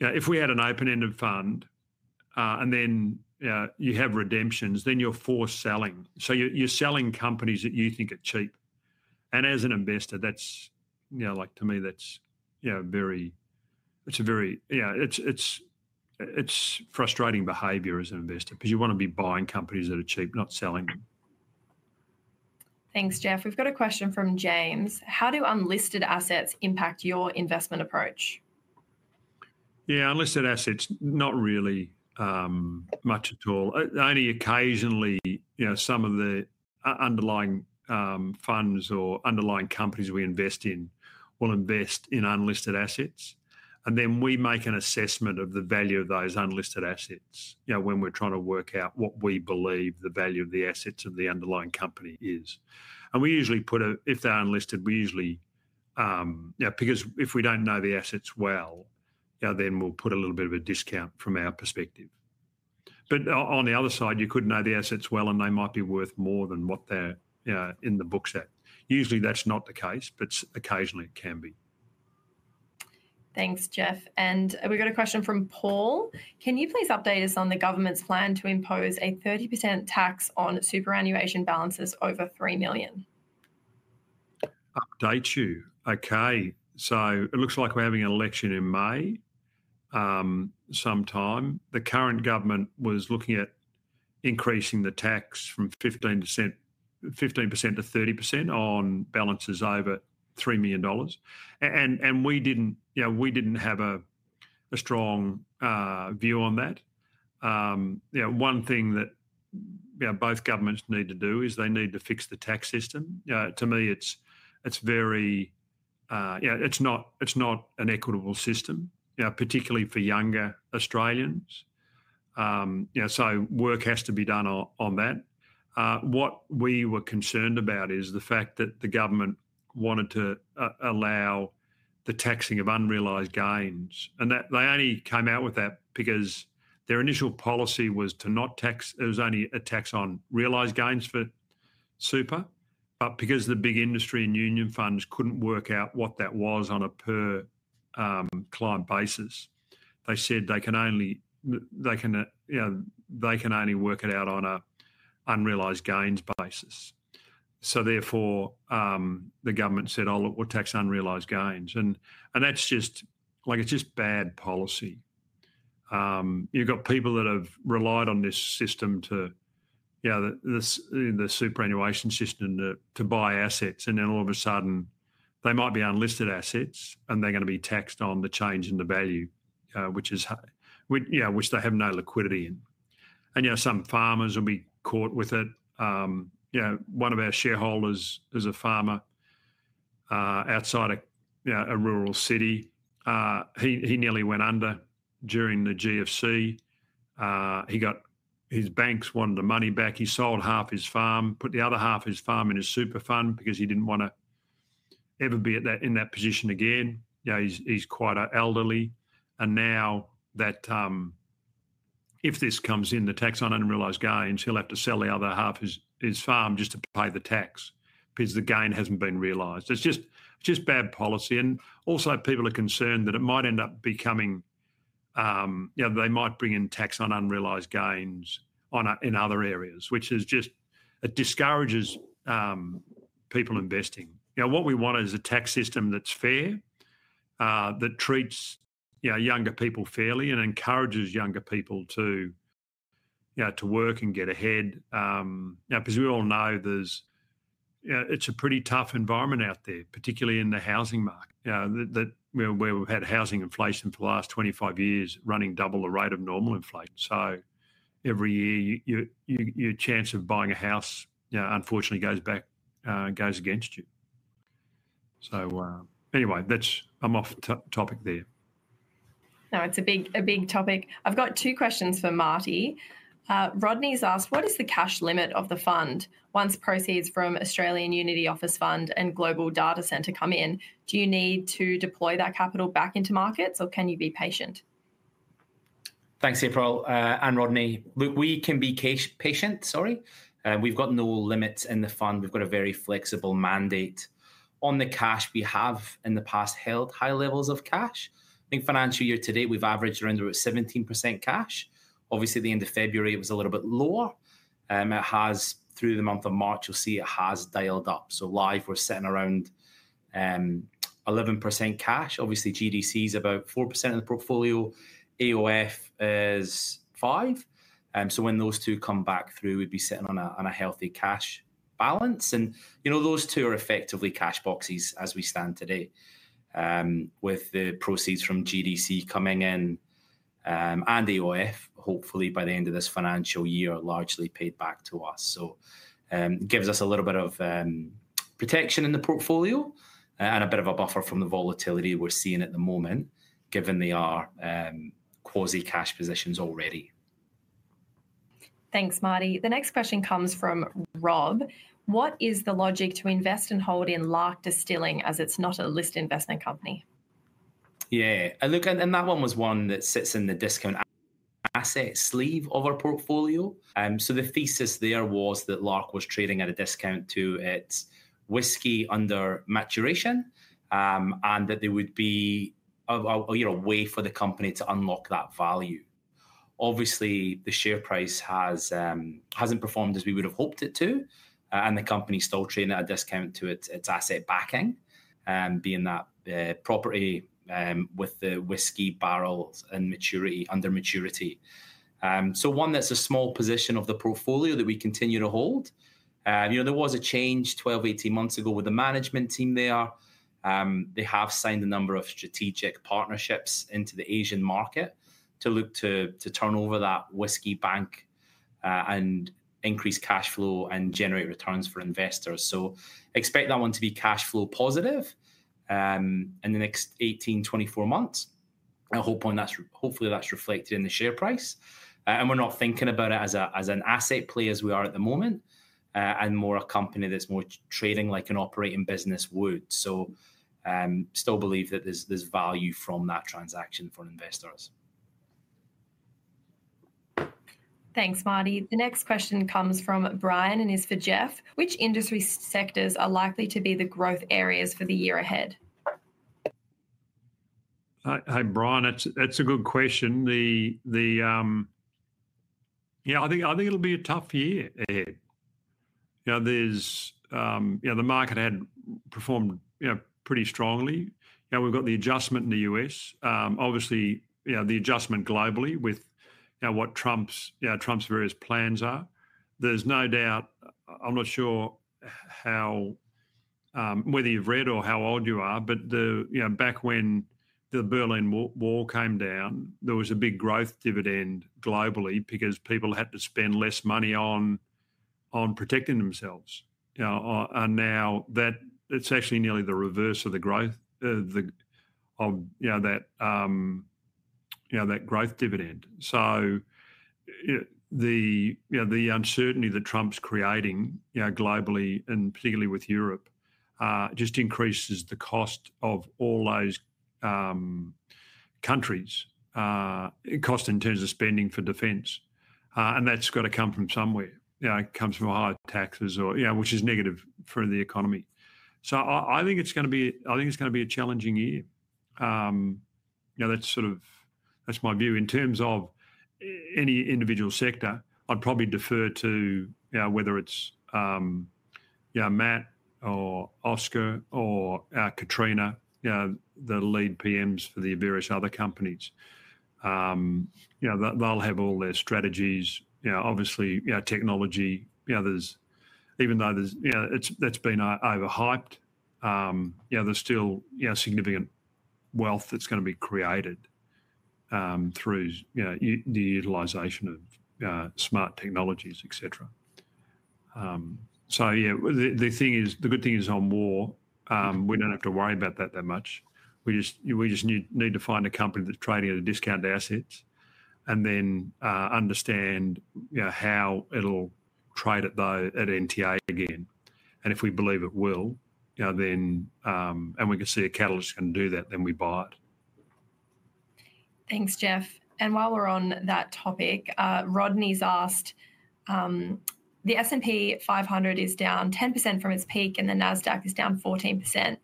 S1: If we had an open-ended fund and then you have redemptions, then you're forced selling. You're selling companies that you think are cheap. As an investor, to me, that's a very frustrating behavior as an investor because you want to be buying companies that are cheap, not selling them.
S2: Thanks, Geoff. We've got a question from James. "How do unlisted assets impact your investment approach?
S1: Yeah, unlisted assets, not really much at all. Only occasionally, some of the underlying funds or underlying companies we invest in will invest in unlisted assets. We make an assessment of the value of those unlisted assets when we're trying to work out what we believe the value of the assets of the underlying company is. We usually put a, if they're unlisted, we usually, because if we don't know the assets well, then we'll put a little bit of a discount from our perspective. On the other side, you could know the assets well and they might be worth more than what they're in the books at. Usually, that's not the case, but occasionally it can be.
S2: Thanks, Geoff. We have a question from Paul. "Can you please update us on the government's plan to impose a 30% tax on superannuation balances over $ 3 million?
S1: Update you. Okay. It looks like we're having an election in May sometime. The current government was looking at increasing the tax from 15% 30% on balances over $ 3 million. We didn't have a strong view on that. One thing that both governments need to do is they need to fix the tax system. To me, it's not an equitable system, particularly for younger Australians. Work has to be done on that. What we were concerned about is the fact that the government wanted to allow the taxing of unrealized gains. They only came out with that because their initial policy was to not tax; it was only a tax on realized gains for super. Because the big industry and union funds could not work out what that was on a per-client basis, they said they can only work it out on an unrealized gains basis. Therefore, the government said, "Oh, look, we will tax unrealized gains." It is just bad policy. You have people that have relied on this system, the superannuation system, to buy assets. All of a sudden, they might be unlisted assets and they are going to be taxed on the change in the value, which they have no liquidity in. Some farmers will be caught with it. One of our shareholders is a farmer outside a rural city. He nearly went under during the GFC. His banks wanted the money back. He sold half his farm, put the other half of his farm in his super fund because he did not want to ever be in that position again. He's quite elderly. Now that if this comes in, the tax on unrealized gains, he'll have to sell the other half of his farm just to pay the tax because the gain hasn't been realized. It's just bad policy. People are concerned that it might end up becoming they might bring in tax on unrealized gains in other areas, which just discourages people investing. What we want is a tax system that's fair, that treats younger people fairly, and encourages younger people to work and get ahead. We all know it's a pretty tough environment out there, particularly in the housing market, where we've had housing inflation for the last 25 years running double the rate of normal inflation. Every year, your chance of buying a house, unfortunately, goes against you. Anyway, I'm off topic there.
S2: No, it's a big topic. I've got two questions for Martyn. Rodney's asked, "What is the cash limit of the fund once proceeds from Australian Unity Office Fund and Global Data Centre come in? Do you need to deploy that capital back into markets, or can you be patient?
S3: Thanks, April and Rodney. Look, we can be patient, sorry. We have got no limits in the fund. We have got a very flexible mandate. On the cash, we have in the past held high levels of cash. I think financial year to date, we have averaged around about 17% cash. Obviously, at the end of February, it was a little bit lower. Through the month of March, you will see it has dialed up. Live, we are sitting around 11% cash. Obviously, GDC is about 4% of the portfolio. AOF is 5%. When those two come back through, we would be sitting on a healthy cash balance. Those two are effectively cash boxes as we stand today, with the proceeds from GDC coming in and AOF, hopefully by the end of this financial year, largely paid back to us. It gives us a little bit of protection in the portfolio and a bit of a buffer from the volatility we're seeing at the moment, given they are quasi-cash positions already.
S2: Thanks, Martyn. The next question comes from Rob. "What is the logic to invest and hold in Lark Distilling as it's not a listed investment company?
S3: Yeah. That one was one that sits in the discount asset sleeve of our portfolio. The thesis there was that Lark was trading at a discount to its whiskey under maturation and that there would be a way for the company to unlock that value. Obviously, the share price has not performed as we would have hoped it to, and the company is still trading at a discount to its asset backing, being that property with the whiskey barrels under maturity. That is a small position of the portfolio that we continue to hold. There was a change 12-18 months ago with the management team there. They have signed a number of strategic partnerships into the Asian market to look to turn over that whiskey bank and increase cash flow and generate returns for investors. Expect that one to be cash flow positive in the next 18-24 months. I hope that's reflected in the share price. We're not thinking about it as an asset play as we are at the moment and more a company that's more trading like an operating business would. Still believe that there's value from that transaction for investors.
S2: Thanks, Martyn. The next question comes from Brian and is for Geoff. "Which industry sectors are likely to be the growth areas for the year ahead?
S1: Hi, Brian. It's a good question. Yeah, I think it'll be a tough year ahead. The market had performed pretty strongly. We've got the adjustment in the U.S., obviously the adjustment globally with what Trump's various plans are. There's no doubt, I'm not sure whether you've read or how old you are, but back when the Berlin Wall came down, there was a big growth dividend globally because people had to spend less money on protecting themselves. Now that it's actually nearly the reverse of the growth dividend. The uncertainty that Trump's creating globally, and particularly with Europe, just increases the cost of all those countries, cost in terms of spending for defense. That's got to come from somewhere. It comes from high taxes, which is negative for the economy. I think it's going to be a challenging year. That's my view. In terms of any individual sector, I'd probably defer to whether it's Matt or Oscar or Katrina, the lead PMs for the various other companies. They'll have all their strategies, obviously technology. Even though that's been overhyped, there's still significant wealth that's going to be created through the utilization of smart technologies, etc. The good thing is on WAM, we don't have to worry about that that much. We just need to find a company that's trading at a discounted asset and then understand how it'll trade at NTA again. If we believe it will, and we can see a catalyst can do that, then we buy it.
S2: Thanks, Geoff. While we're on that topic, Rodney's asked, "The S&P 500 is down 10% from its peak and the NASDAQ is down 14%.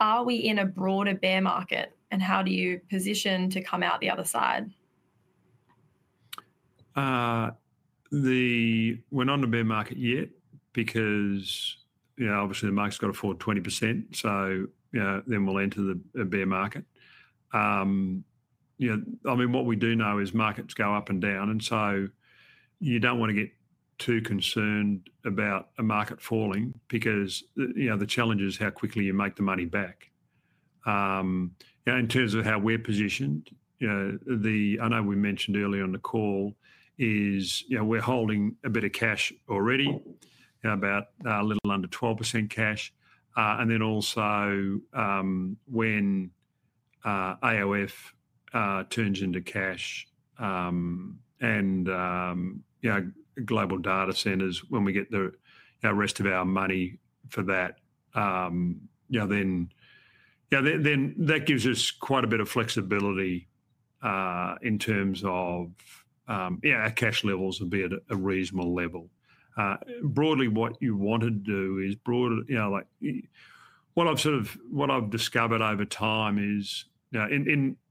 S2: Are we in a broader bear market and how do you position to come out the other side?
S1: We're not in a bear market yet because obviously the market's got to fall 20%, so then we'll enter a bear market. I mean, what we do know is markets go up and down. You don't want to get too concerned about a market falling because the challenge is how quickly you make the money back. In terms of how we're positioned, I know we mentioned earlier on the call is we're holding a bit of cash already, about a little under 12% cash. Also, when AOF turns into cash and Global Data Centre, when we get the rest of our money for that, that gives us quite a bit of flexibility in terms of our cash levels would be at a reasonable level. Broadly, what you want to do is broadly what I've discovered over time is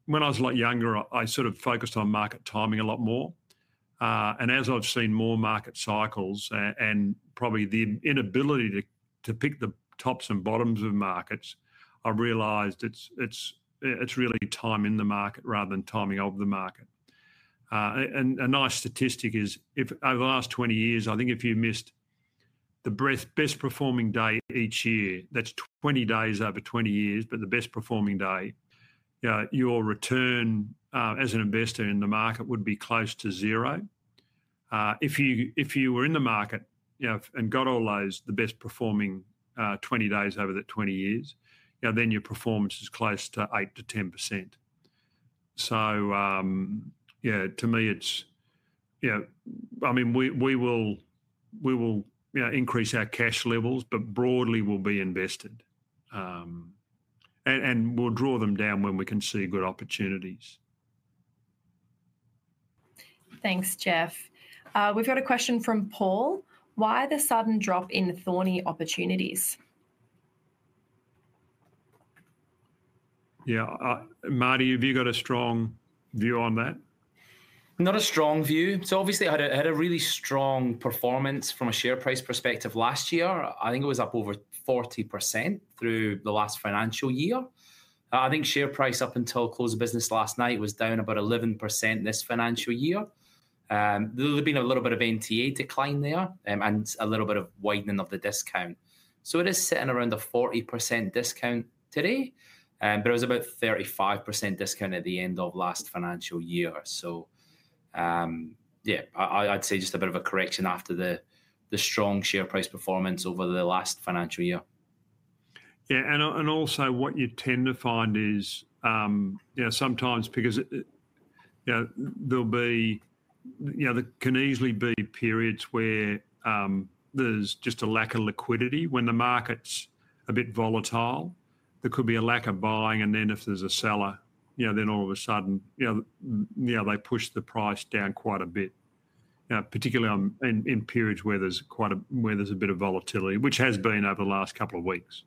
S1: when I was a lot younger, I sort of focused on market timing a lot more. As I've seen more market cycles and probably the inability to pick the tops and bottoms of markets, I realized it's really timing the market rather than timing of the market. A nice statistic is over the last 20 years, I think if you missed the best performing day each year, that's 20 days over 20 years, but the best performing day, your return as an investor in the market would be close to zero. If you were in the market and got all those, the best performing 20 days over that 20 years, then your performance is close to 8% to 10%. Yeah, to me, I mean, we will increase our cash levels, but broadly, we'll be invested and we'll draw them down when we can see good opportunities.
S2: Thanks, Geoff. We've got a question from Paul. "Why the sudden drop in Thorney Opportunities?
S1: Yeah, Martyn, have you got a strong view on that?
S3: Not a strong view. Obviously, it had a really strong performance from a share price perspective last year. I think it was up over 40% through the last financial year. I think share price up until close of business last night was down about 11% this financial year. There would have been a little bit of NTA decline there and a little bit of widening of the discount. It is sitting around a 40% discount today, but it was about a 35% discount at the end of last financial year. I'd say just a bit of a correction after the strong share price performance over the last financial year.
S1: Yeah. Also, what you tend to find is sometimes because there can easily be periods where there's just a lack of liquidity. When the market's a bit volatile, there could be a lack of buying. If there's a seller, then all of a sudden, they push the price down quite a bit, particularly in periods where there's a bit of volatility, which has been over the last couple of weeks.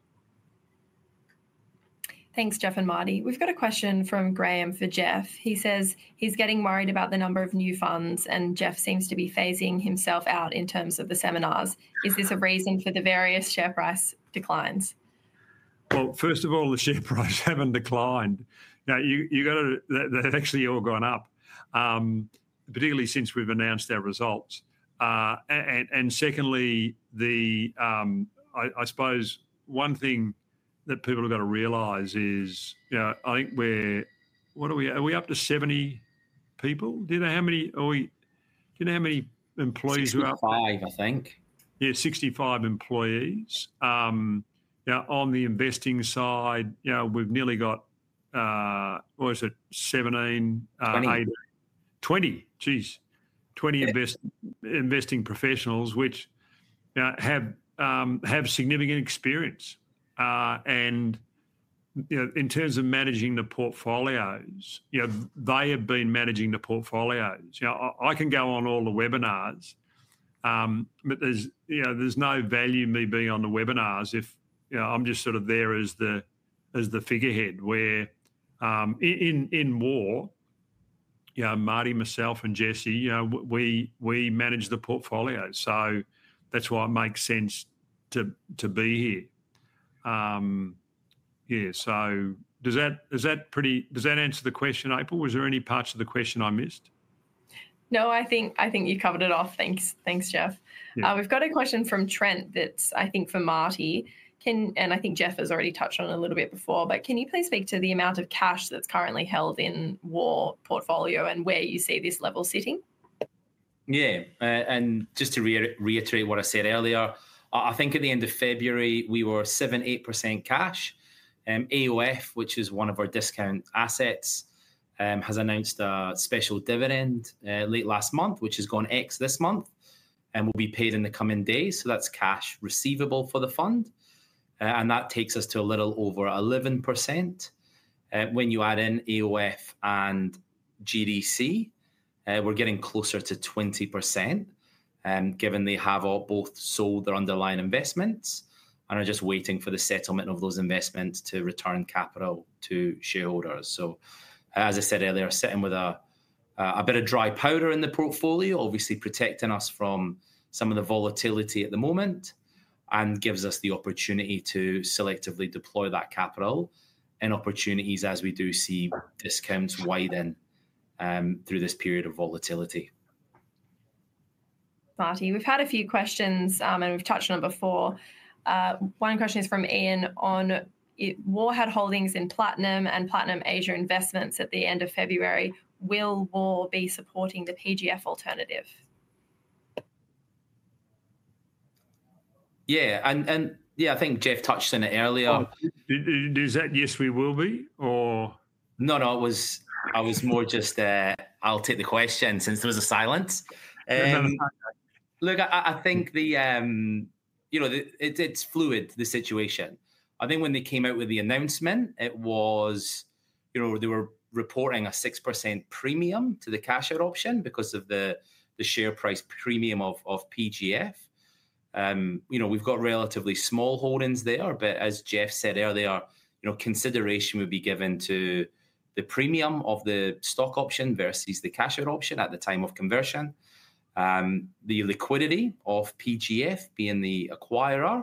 S2: Thanks, Geoff and Martyn. We've got a question from Graham for Geoff. He says he's getting worried about the number of new funds and Geoff seems to be phasing himself out in terms of the seminars. Is this a reason for the various share price declines?
S1: First of all, the share price haven't declined. They've actually all gone up, particularly since we've announced our results. Secondly, I suppose one thing that people have got to realize is I think we're what are we? Are we up to 70 people? Do you know how many employees?
S3: 65, I think.
S1: Yeah, 65 employees. On the investing side, we've nearly got 17.
S3: 20.
S1: Twenty, geez, twenty investing professionals, which have significant experience. In terms of managing the portfolios, they have been managing the portfolios. I can go on all the webinars, but there is no value in me being on the webinars if I am just sort of there as the figurehead where in WAM, Martyn, myself, and Jesse, we manage the portfolios. That is why it makes sense to be here. Yeah. Does that answer the question, April? Was there any parts of the question I missed?
S2: No, I think you covered it off. Thanks, Geoff. We've got a question from Trent that's, I think, for Martyn. I think Geoff has already touched on it a little bit before, but can you please speak to the amount of cash that's currently held in WAM portfolio and where you see this level sitting?
S3: Yeah. Just to reiterate what I said earlier, I think at the end of February, we were 7%-8% cash. AOF, which is one of our discount assets, has announced a special dividend late last month, which has gone ex this month and will be paid in the coming days. That is cash receivable for the fund. That takes us to a little over 11%. When you add in AOF and GDC, we are getting closer to 20% given they have both sold their underlying investments and are just waiting for the settlement of those investments to return capital to shareholders. As I said earlier, sitting with a bit of dry powder in the portfolio obviously protects us from some of the volatility at the moment and gives us the opportunity to selectively deploy that capital in opportunities as we do see discounts widen through this period of volatility.
S2: Martyn, we've had a few questions and we've touched on it before. One question is from Ian on WAM had holdings in Platinum and Platinum Asia Investments at the end of February. Will WAM be supporting the PGF alternative?
S3: Yeah. I think Geoff touched on it earlier.
S1: Is that yes, we will be or?
S3: No, I was more just, I'll take the question since there was a silence. Look, I think it's fluid, the situation. I think when they came out with the announcement, they were reporting a 6% premium to the cash adoption because of the share price premium of PGF. We've got relatively small holdings there, but as Geoff said earlier, consideration would be given to the premium of the stock option versus the cash adoption at the time of conversion, the liquidity of PGF being the acquirer,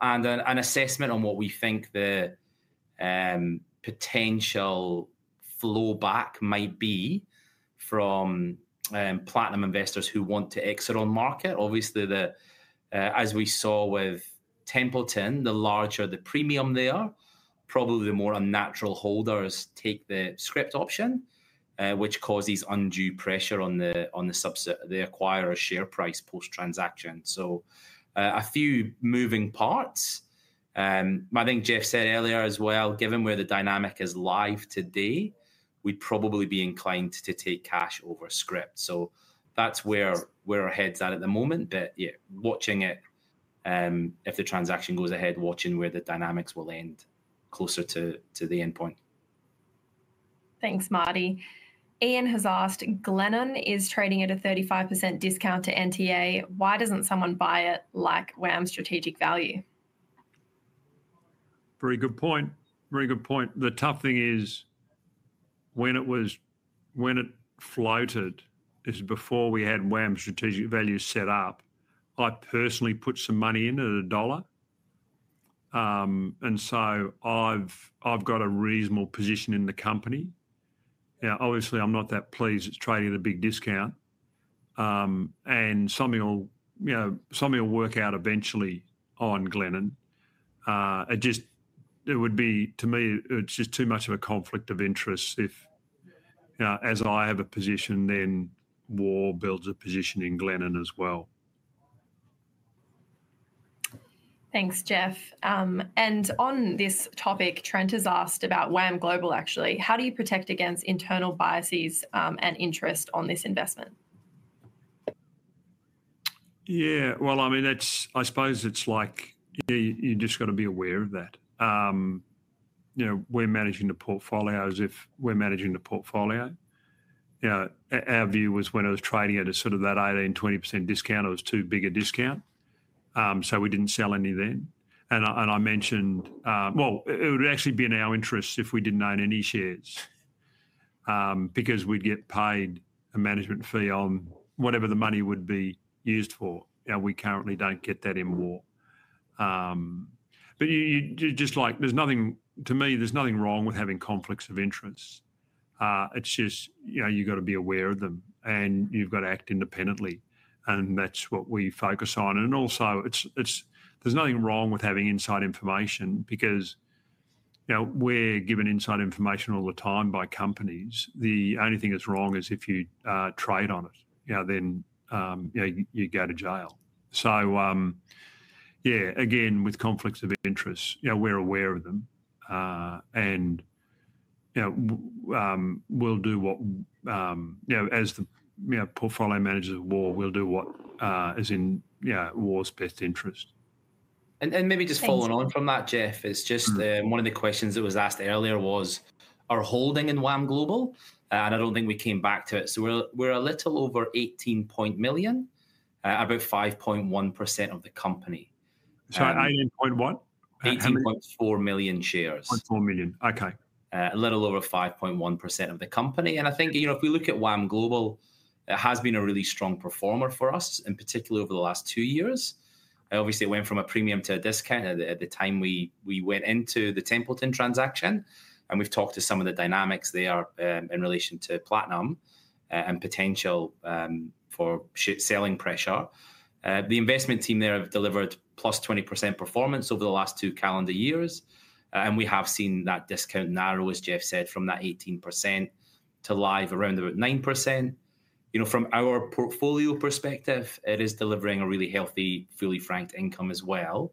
S3: and an assessment on what we think the potential flow back might be from Platinum investors who want to exit on market. Obviously, as we saw with Templeton, the larger the premium they are, probably the more unnatural holders take the scrip option, which causes undue pressure on the acquirer's share price post-transaction. A few moving parts. I think Geoff said earlier as well, given where the dynamic is live today, we'd probably be inclined to take cash over scrip. That is where our head's at at the moment. Yeah, watching it, if the transaction goes ahead, watching where the dynamics will end closer to the endpoint.
S2: Thanks, Martyn. Ian has asked, "Glenon is trading at a 35% discount to NTA. Why doesn't someone buy it like WAM Strategic Value?
S1: Very good point. Very good point. The tough thing is when it floated is before we had WAM Strategic Value set up. I personally put some money in at a dollar. And so I've got a reasonable position in the company. Obviously, I'm not that pleased it's trading at a big discount. Something will work out eventually on Glenon. It would be, to me, it's just too much of a conflict of interest if, as I have a position, then WAM builds a position in Glenon as well.
S2: Thanks, Geoff. On this topic, Trent has asked about WAM Global, actually. How do you protect against internal biases and interest on this investment?
S1: Yeah. I mean, I suppose it's like you just got to be aware of that. We're managing the portfolio as if we're managing the portfolio. Our view was when it was trading at a sort of that 18%-20% discount, it was too big a discount. We didn't sell any then. I mentioned, it would actually be in our interests if we didn't own any shares because we'd get paid a management fee on whatever the money would be used for. We currently don't get that in WAM. Just like to me, there's nothing wrong with having conflicts of interest. You just got to be aware of them and you got to act independently. That's what we focus on. Also, there's nothing wrong with having inside information because we're given inside information all the time by companies. The only thing that's wrong is if you trade on it, then you go to jail. Yeah, again, with conflicts of interest, we're aware of them and we'll do what, as the portfolio managers of WAM, we'll do what is in WAM's best interest.
S3: Maybe just following on from that, Geoff, one of the questions that was asked earlier was our holding in WAM Global? I do not think we came back to it. We are a little over $ 18.1 million, about 5.1% of the company.
S1: Sorry, 18.1?
S3: 18.4 million shares.
S1: 0.4 million. Okay.
S3: A little over 5.1% of the company. I think if we look at WAM Global, it has been a really strong performer for us, in particular over the last two years. Obviously, it went from a premium to a discount at the time we went into the Templeton transaction. We have talked to some of the dynamics there in relation to Platinum and potential for selling pressure. The investment team there have delivered plus 20% performance over the last two calendar years. We have seen that discount narrow, as Geoff said, from that 18% to live around about 9%. From our portfolio perspective, it is delivering a really healthy, fully franked income as well,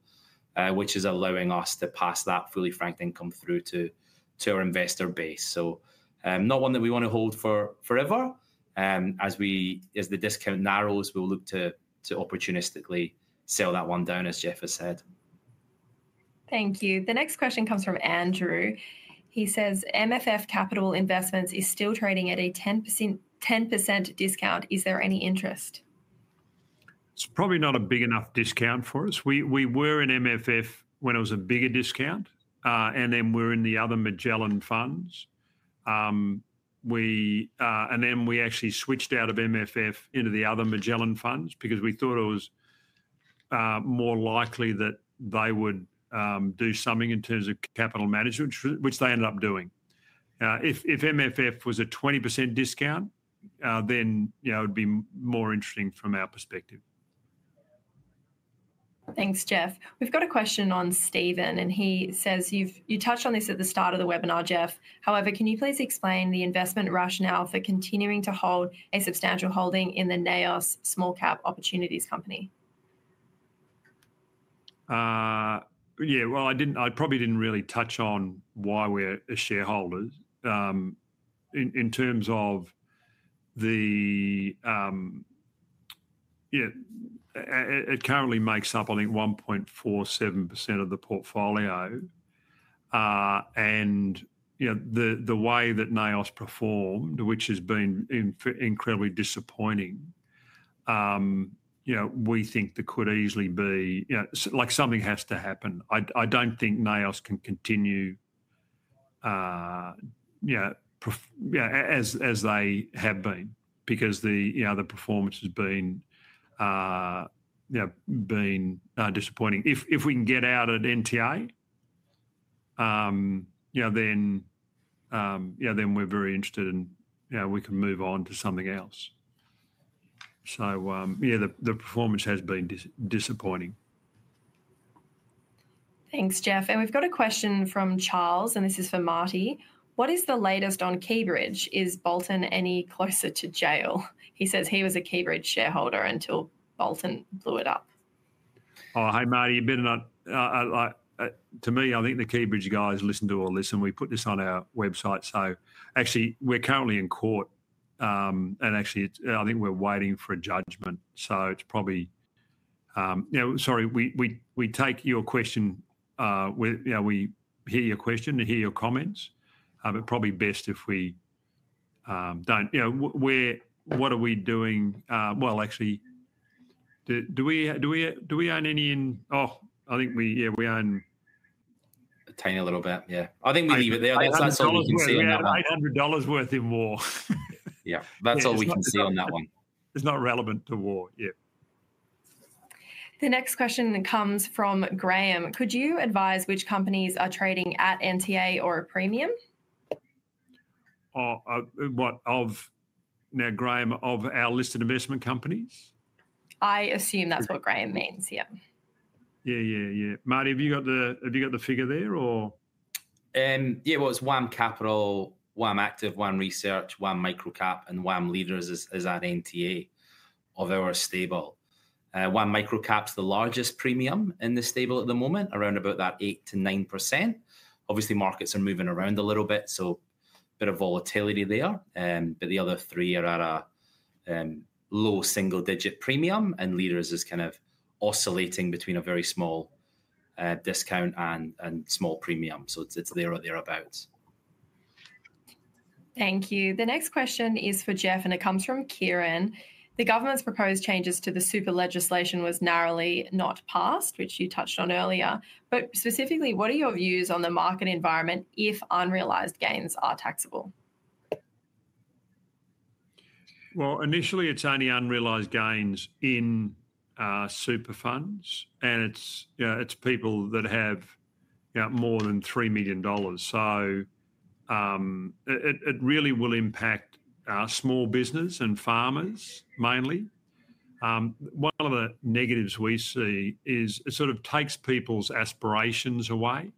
S3: which is allowing us to pass that fully franked income through to our investor base. Not one that we want to hold forever. As the discount narrows, we'll look to opportunistically sell that one down, as Geoff has said.
S2: Thank you. The next question comes from Andrew. He says, "MFF Capital Investments is still trading at a 10% discount. Is there any interest?
S1: It's probably not a big enough discount for us. We were in MFF when it was a bigger discount. We were in the other Magellan funds. We actually switched out of MFF into the other Magellan funds because we thought it was more likely that they would do something in terms of capital management, which they ended up doing. If MFF was a 20% discount, it would be more interesting from our perspective.
S2: Thanks, Geoff. We've got a question on Stephen, and he says, "You touched on this at the start of the webinar, Geoff. However, can you please explain the investment rationale for continuing to hold a substantial holding in the NAOS Small Cap Opportunities Company?
S1: Yeah. I probably did not really touch on why we are shareholders. In terms of the, yeah, it currently makes up, I think, 1.47% of the portfolio. The way that NAOS performed, which has been incredibly disappointing, we think there could easily be something has to happen. I do not think NAOS can continue as they have been because the performance has been disappointing. If we can get out of NTA, then we are very interested in we can move on to something else. Yeah, the performance has been disappointing.
S2: Thanks, Geoff. We have a question from Charles, and this is for Martyn. "What is the latest on KeyBridge? Is Bolton any closer to jail?" He says he was a KeyBridge shareholder until Bolton blew it up.
S1: Oh, hey, Martyn, you've been in a to me, I think the KeyBridge guys listen to all this, and we put this on our website. Actually, we're currently in court, and actually, I think we're waiting for a judgment. It's probably, sorry, we take your question. We hear your question and hear your comments, but probably best if we don't. What are we doing? Actually, do we own any in, oh, I think we, yeah, we own.
S3: A tiny little bit. Yeah. I think we leave it there.
S1: 800 worth in WAM.
S3: Yeah. That's all we can see on that one.
S1: It's not relevant to WAM yet.
S2: The next question comes from Graham. "Could you advise which companies are trading at NTA or a premium?
S1: Now, Graham, of our listed investment companies?
S2: I assume that's what Graham means. Yeah.
S1: Yeah, yeah, yeah. Martyn, have you got the figure there?
S3: Yeah. It is WAM Capital, WAM Active, WAM Research, WAM Micro Cap, and WAM Leaders is at NTA of our stable. WAM Micro Cap's the largest premium in the stable at the moment, around about that 8%-9%. Obviously, markets are moving around a little bit, so a bit of volatility there. The other three are at a low single-digit premium, and Leaders is kind of oscillating between a very small discount and small premium. It is there or thereabouts.
S2: Thank you. The next question is for Geoff, and it comes from Kieran. "The government's proposed changes to the super legislation was narrowly not passed," which you touched on earlier. "But specifically, what are your views on the market environment if unrealized gains are taxable?
S1: Initially, it's only unrealized gains in super funds, and it's people that have more than $ 3 million. It really will impact small business and farmers mainly. One of the negatives we see is it sort of takes people's aspirations away.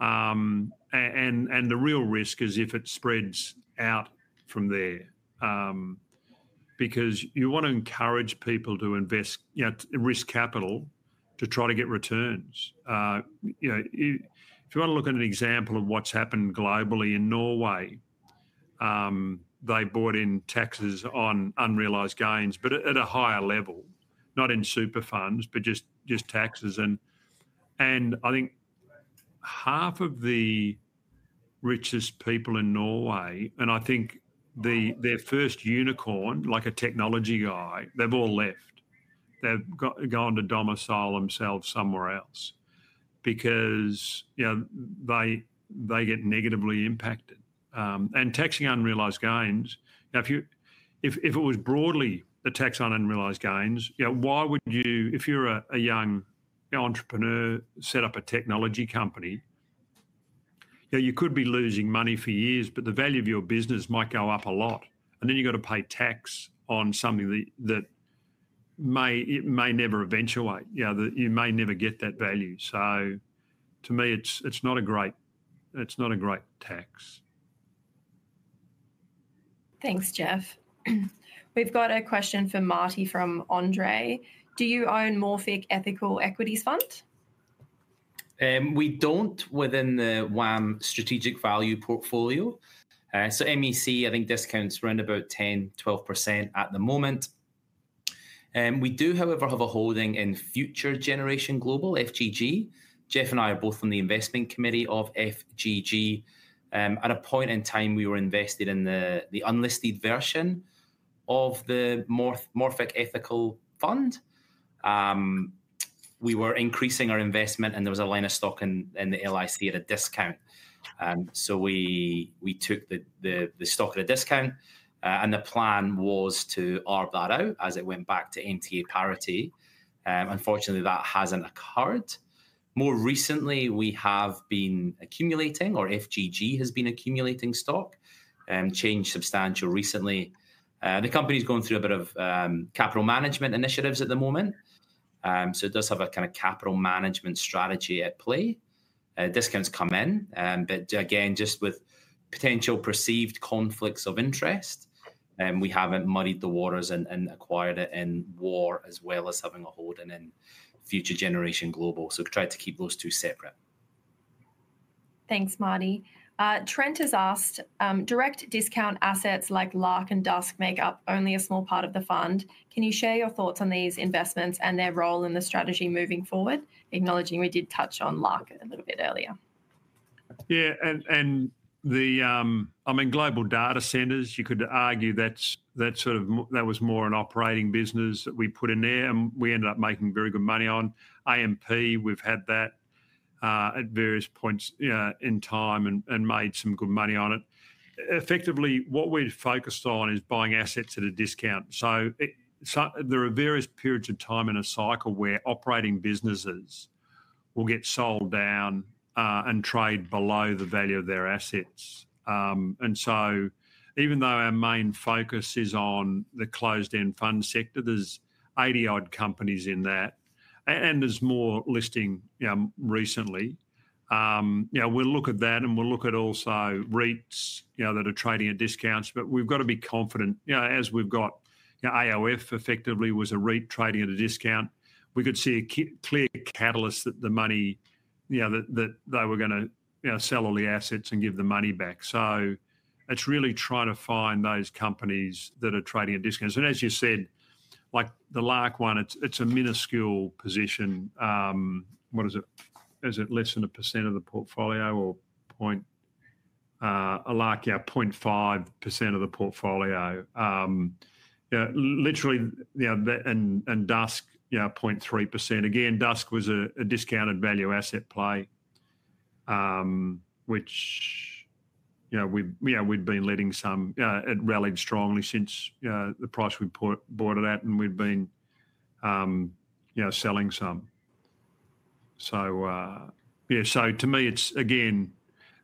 S1: The real risk is if it spreads out from there because you want to encourage people to invest risk capital to try to get returns. If you want to look at an example of what's happened globally in Norway, they brought in taxes on unrealized gains, but at a higher level, not in super funds, just taxes. I think half of the richest people in Norway, and I think their first unicorn, like a technology guy, they've all left. They've gone to domicile themselves somewhere else because they get negatively impacted. Taxing unrealized gains, if it was broadly the tax on unrealized gains, why would you, if you're a young entrepreneur, set up a technology company? You could be losing money for years, but the value of your business might go up a lot. Then you've got to pay tax on something that may never eventuate. You may never get that value. To me, it's not a great tax.
S2: Thanks, Geoff. We've got a question from Martyn from Andrei. "Do you own Morphic Ethical Equities Fund?
S3: We do not within the WAM Strategic Value portfolio. MEC, I think discount is around about 10%-12% at the moment. We do, however, have a holding in Future Generation Global, FGG. Geoff and I are both on the investment committee of FGG. At a point in time, we were invested in the unlisted version of the Morphic Ethical Fund. We were increasing our investment, and there was a line of stock in the LIC at a discount. We took the stock at a discount, and the plan was to arb that out as it went back to NTA parity. Unfortunately, that has not occurred. More recently, we have been accumulating, or FGG has been accumulating stock, changed substantial recently. The company is going through a bit of capital management initiatives at the moment. It does have a kind of capital management strategy at play. Discounts come in, but again, just with potential perceived conflicts of interest, we haven't muddied the waters and acquired it in WAM as well as having a holding in Future Generation Global. We tried to keep those two separate.
S2: Thanks, Martyn. Trent has asked, "Direct discount assets like Lark and Dusk make up only a small part of the fund. Can you share your thoughts on these investments and their role in the strategy moving forward?" Acknowledging we did touch on Lark a little bit earlier.
S1: Yeah. I mean, Global Data Centre, you could argue that was more an operating business that we put in there, and we ended up making very good money on. AMP, we've had that at various points in time and made some good money on it. Effectively, what we've focused on is buying assets at a discount. There are various periods of time in a cycle where operating businesses will get sold down and trade below the value of their assets. Even though our main focus is on the closed-end fund sector, there are 80-odd companies in that, and there are more listing recently. We'll look at that, and we'll look at also REITs that are trading at discounts, but we've got to be confident. As we've got AOF effectively was a REIT trading at a discount, we could see a clear catalyst that the money that they were going to sell all the assets and give the money back. It's really trying to find those companies that are trading at discounts. As you said, like the Lark one, it's a minuscule position. What is it? Is it less than 1% of the portfolio or 0.5% of the portfolio? Literally, and Dusk, 0.3%. Again, Dusk was a discounted value asset play, which we'd been letting some it rallied strongly since the price we bought it at, and we'd been selling some. To me, it's again,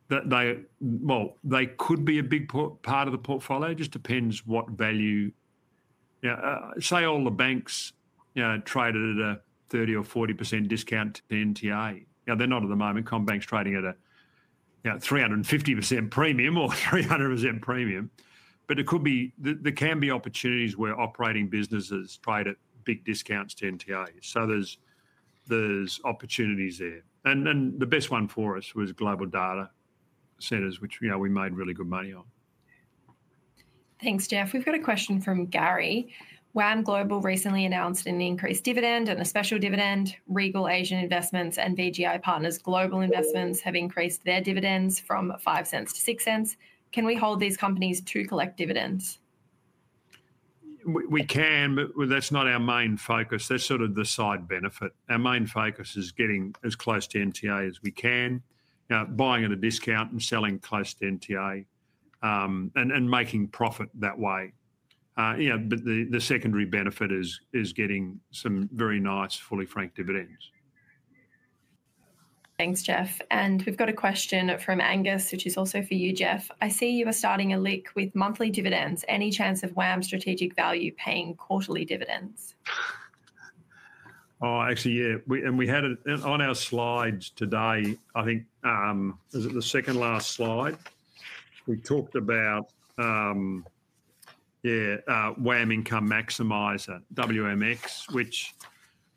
S1: they could be a big part of the portfolio. It just depends what value. Say all the banks traded at a 30%-40% discount to NTA. They're not at the moment. Combank's trading at a 350% premium or 300% premium. There can be opportunities where operating businesses trade at big discounts to NTA. There's opportunities there. The best one for us was Global Data Centre, which we made really good money on.
S2: Thanks, Geoff. We've got a question from Gary. "WAM Global recently announced an increased dividend and a special dividend. Regal Asian Investments and VGI Partners Global Investments have increased their dividends from $ 0.05 to $ 0.06. Can we hold these companies to collect dividends?
S1: We can, but that's not our main focus. That's sort of the side benefit. Our main focus is getting as close to NTA as we can, buying at a discount and selling close to NTA and making profit that way. The secondary benefit is getting some very nice fully franked dividends.
S2: Thanks, Geoff. We have a question from Angus, which is also for you, Geoff. "I see you are starting a LIC with monthly dividends. Any chance of WAM Strategic Value paying quarterly dividends?
S1: Oh, actually, yeah. We had it on our slides today. I think it was the second last slide. We talked about, yeah, WAM Income Maximizer, WMX, which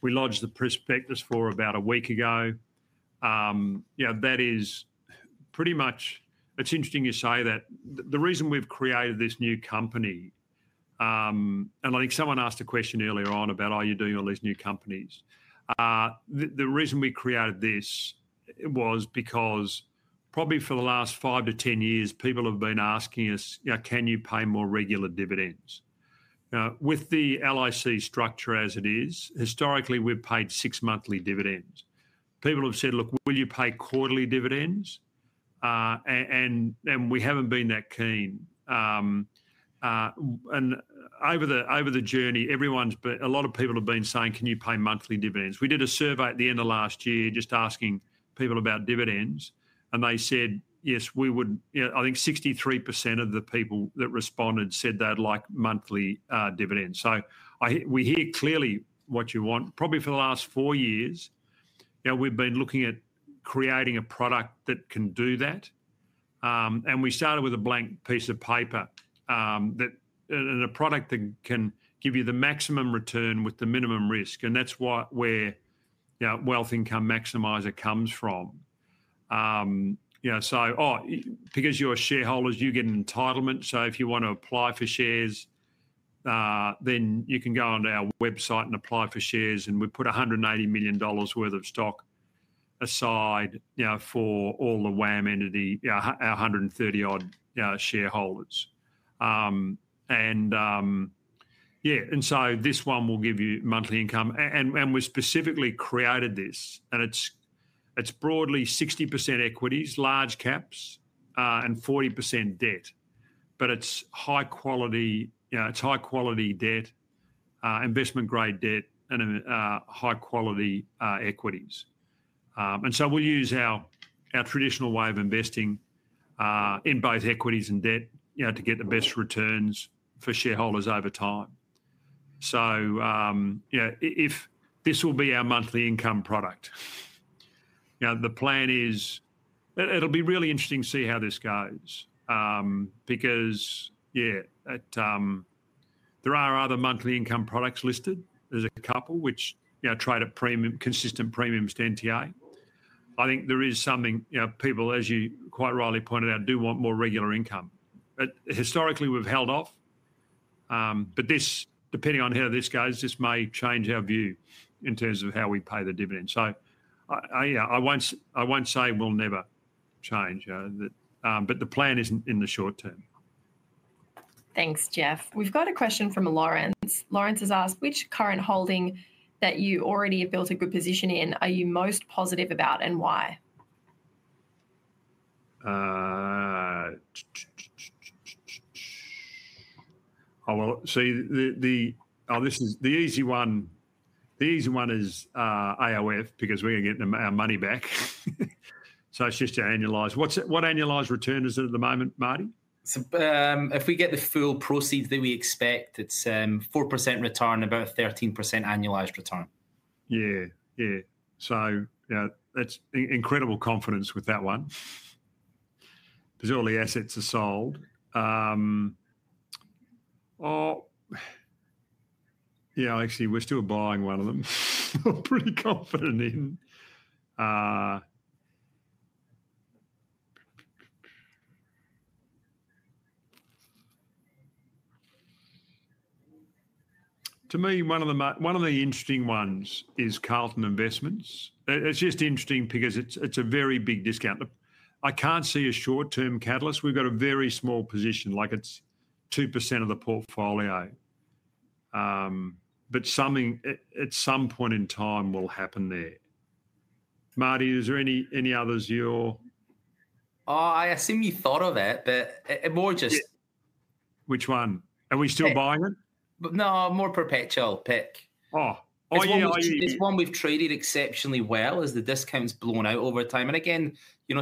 S1: we lodged the prospectus for about a week ago. That is pretty much it's interesting you say that. The reason we've created this new company and I think someone asked a question earlier on about, "Are you doing all these new companies?" The reason we created this was because probably for the last 5 to 10 years, people have been asking us, "Can you pay more regular dividends?" With the LIC structure as it is, historically, we've paid six-monthly dividends. People have said, "Look, will you pay quarterly dividends?" We haven't been that keen. Over the journey, a lot of people have been saying, "Can you pay monthly dividends?" We did a survey at the end of last year just asking people about dividends, and they said, "Yes." I think 63% of the people that responded said they'd like monthly dividends. We hear clearly what you want. Probably for the last four years, we've been looking at creating a product that can do that. We started with a blank piece of paper and a product that can give you the maximum return with the minimum risk. That is where WAM Income Maximizer comes from. Because you're a shareholder, you get an entitlement. If you want to apply for shares, you can go onto our website and apply for shares. We put $ 180 million worth of stock aside for all the WAM entity, our 130-odd shareholders. Yeah, this one will give you monthly income. We specifically created this, and it's broadly 60% equities, large caps, and 40% debt. It's high-quality debt, investment-grade debt, and high-quality equities. We'll use our traditional way of investing in both equities and debt to get the best returns for shareholders over time. This will be our monthly income product. The plan is it'll be really interesting to see how this goes because, yeah, there are other monthly income products listed. There's a couple which trade at consistent premiums to NTA. I think there is something people, as you quite rightly pointed out, do want more regular income. Historically, we've held off. Depending on how this goes, this may change our view in terms of how we pay the dividend. I won't say we'll never change, but the plan is in the short term.
S2: Thanks, Geoff. We've got a question from Laurence. Laurence has asked, "Which current holding that you already have built a good position in, are you most positive about and why?
S1: Oh, well, see, the easy one is AOF because we're going to get our money back. So it's just to annualize. What annualized return is it at the moment, Martyn?
S3: If we get the full proceeds that we expect, it's 4% return, about 13% annualized return.
S1: Yeah, yeah. That's incredible confidence with that one because all the assets are sold. Yeah, actually, we're still buying one of them. We're pretty confident in. To me, one of the interesting ones is Carlton Investments. It's just interesting because it's a very big discount. I can't see a short-term catalyst. We've got a very small position. It's 2% of the portfolio, but at some point in time, we'll happen there. Martyn, is there any others you're?
S3: I assume you thought of that, but more just.
S1: Which one? Are we still buying it?
S3: No, more Perpetual pick.
S1: Oh, yeah.
S3: This one we've traded exceptionally well as the discount's blown out over time.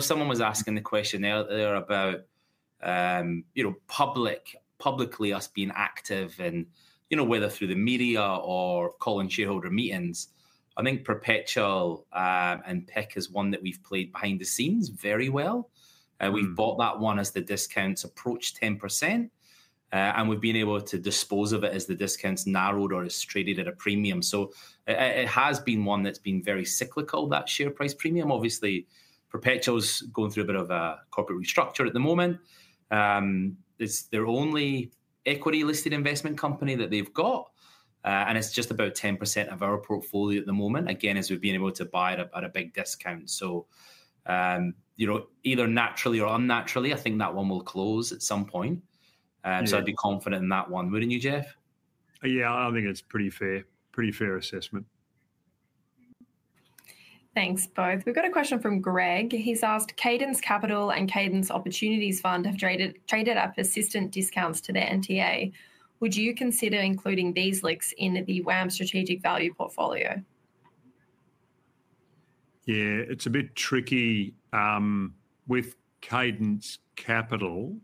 S3: Someone was asking the question earlier about publicly us being active and whether through the media or calling shareholder meetings. I think Perpetual and PIC is one that we've played behind the scenes very well. We've bought that one as the discount's approached 10%, and we've been able to dispose of it as the discount's narrowed or it's traded at a premium. It has been one that's been very cyclical, that share price premium. Obviously, Perpetual's going through a bit of a corporate restructure at the moment. It's their only equity-listed investment company that they've got, and it's just about 10% of our portfolio at the moment. As we've been able to buy it at a big discount. Either naturally or unnaturally, I think that one will close at some point. I'd be confident in that one. Wouldn't you, Geoff?
S1: Yeah, I think it's a pretty fair assessment.
S2: Thanks, both. We've got a question from Greg. He's asked, "Cadence Capital and Cadence Opportunities Fund have traded at discounts to the NTA. Would you consider including these LICs in the WAM Strategic Value portfolio?
S1: Yeah, it's a bit tricky. With Cadence Capital,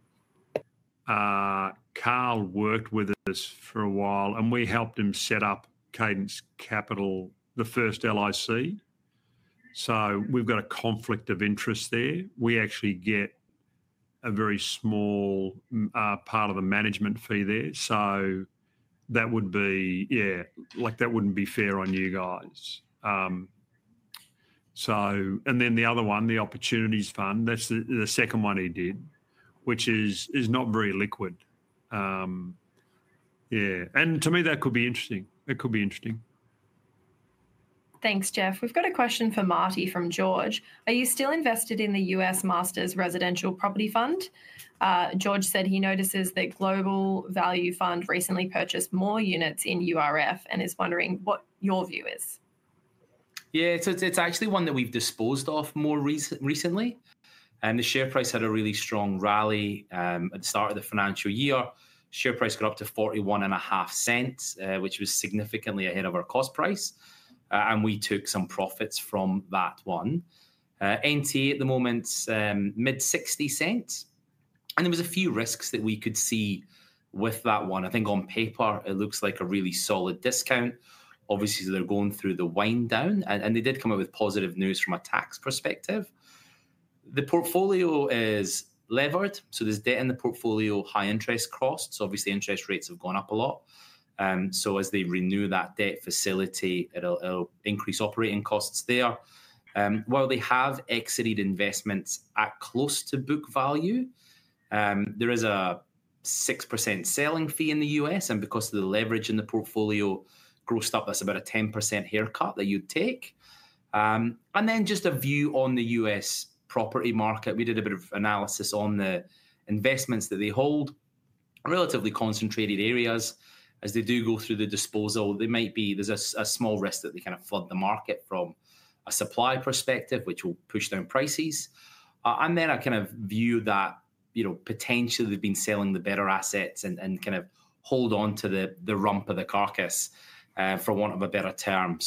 S1: Carl worked with us for a while, and we helped him set up Cadence Capital, the first LIC. We have got a conflict of interest there. We actually get a very small part of the management fee there. That would be, yeah, that would not be fair on you guys. The other one, the Opportunities Fund, that is the second one he did, which is not very liquid. Yeah. To me, that could be interesting. It could be interesting.
S2: Thanks, Geoff. We've got a question for Martyn from George. "Are you still invested in the US Masters Residential Property Fund? George said he notices that Global Value Fund recently purchased more units in URF and is wondering what your view is.
S3: Yeah, so it's actually one that we've disposed of more recently. The share price had a really strong rally at the start of the financial year. Share price got up to $ 0.415, which was significantly ahead of our cost price. We took some profits from that one. NTA at the moment, mid-60 cents. There were a few risks that we could see with that one. I think on paper, it looks like a really solid discount. Obviously, they're going through the wind down, and they did come up with positive news from a tax perspective. The portfolio is levered, so there's debt in the portfolio, high interest costs. Obviously, interest rates have gone up a lot. As they renew that debt facility, it'll increase operating costs there. While they have exited investments at close to book value, there is a 6% selling fee in the U.S. And because of the leverage in the portfolio, grossed up, that's about a 10% haircut that you'd take. And then just a view on the U.S. property market. We did a bit of analysis on the investments that they hold, relatively concentrated areas. As they do go through the disposal, there's a small risk that they kind of flood the market from a supply perspective, which will push down prices. And then I kind of view that potentially they've been selling the better assets and kind of hold on to the rump of the carcass, for want of a better term.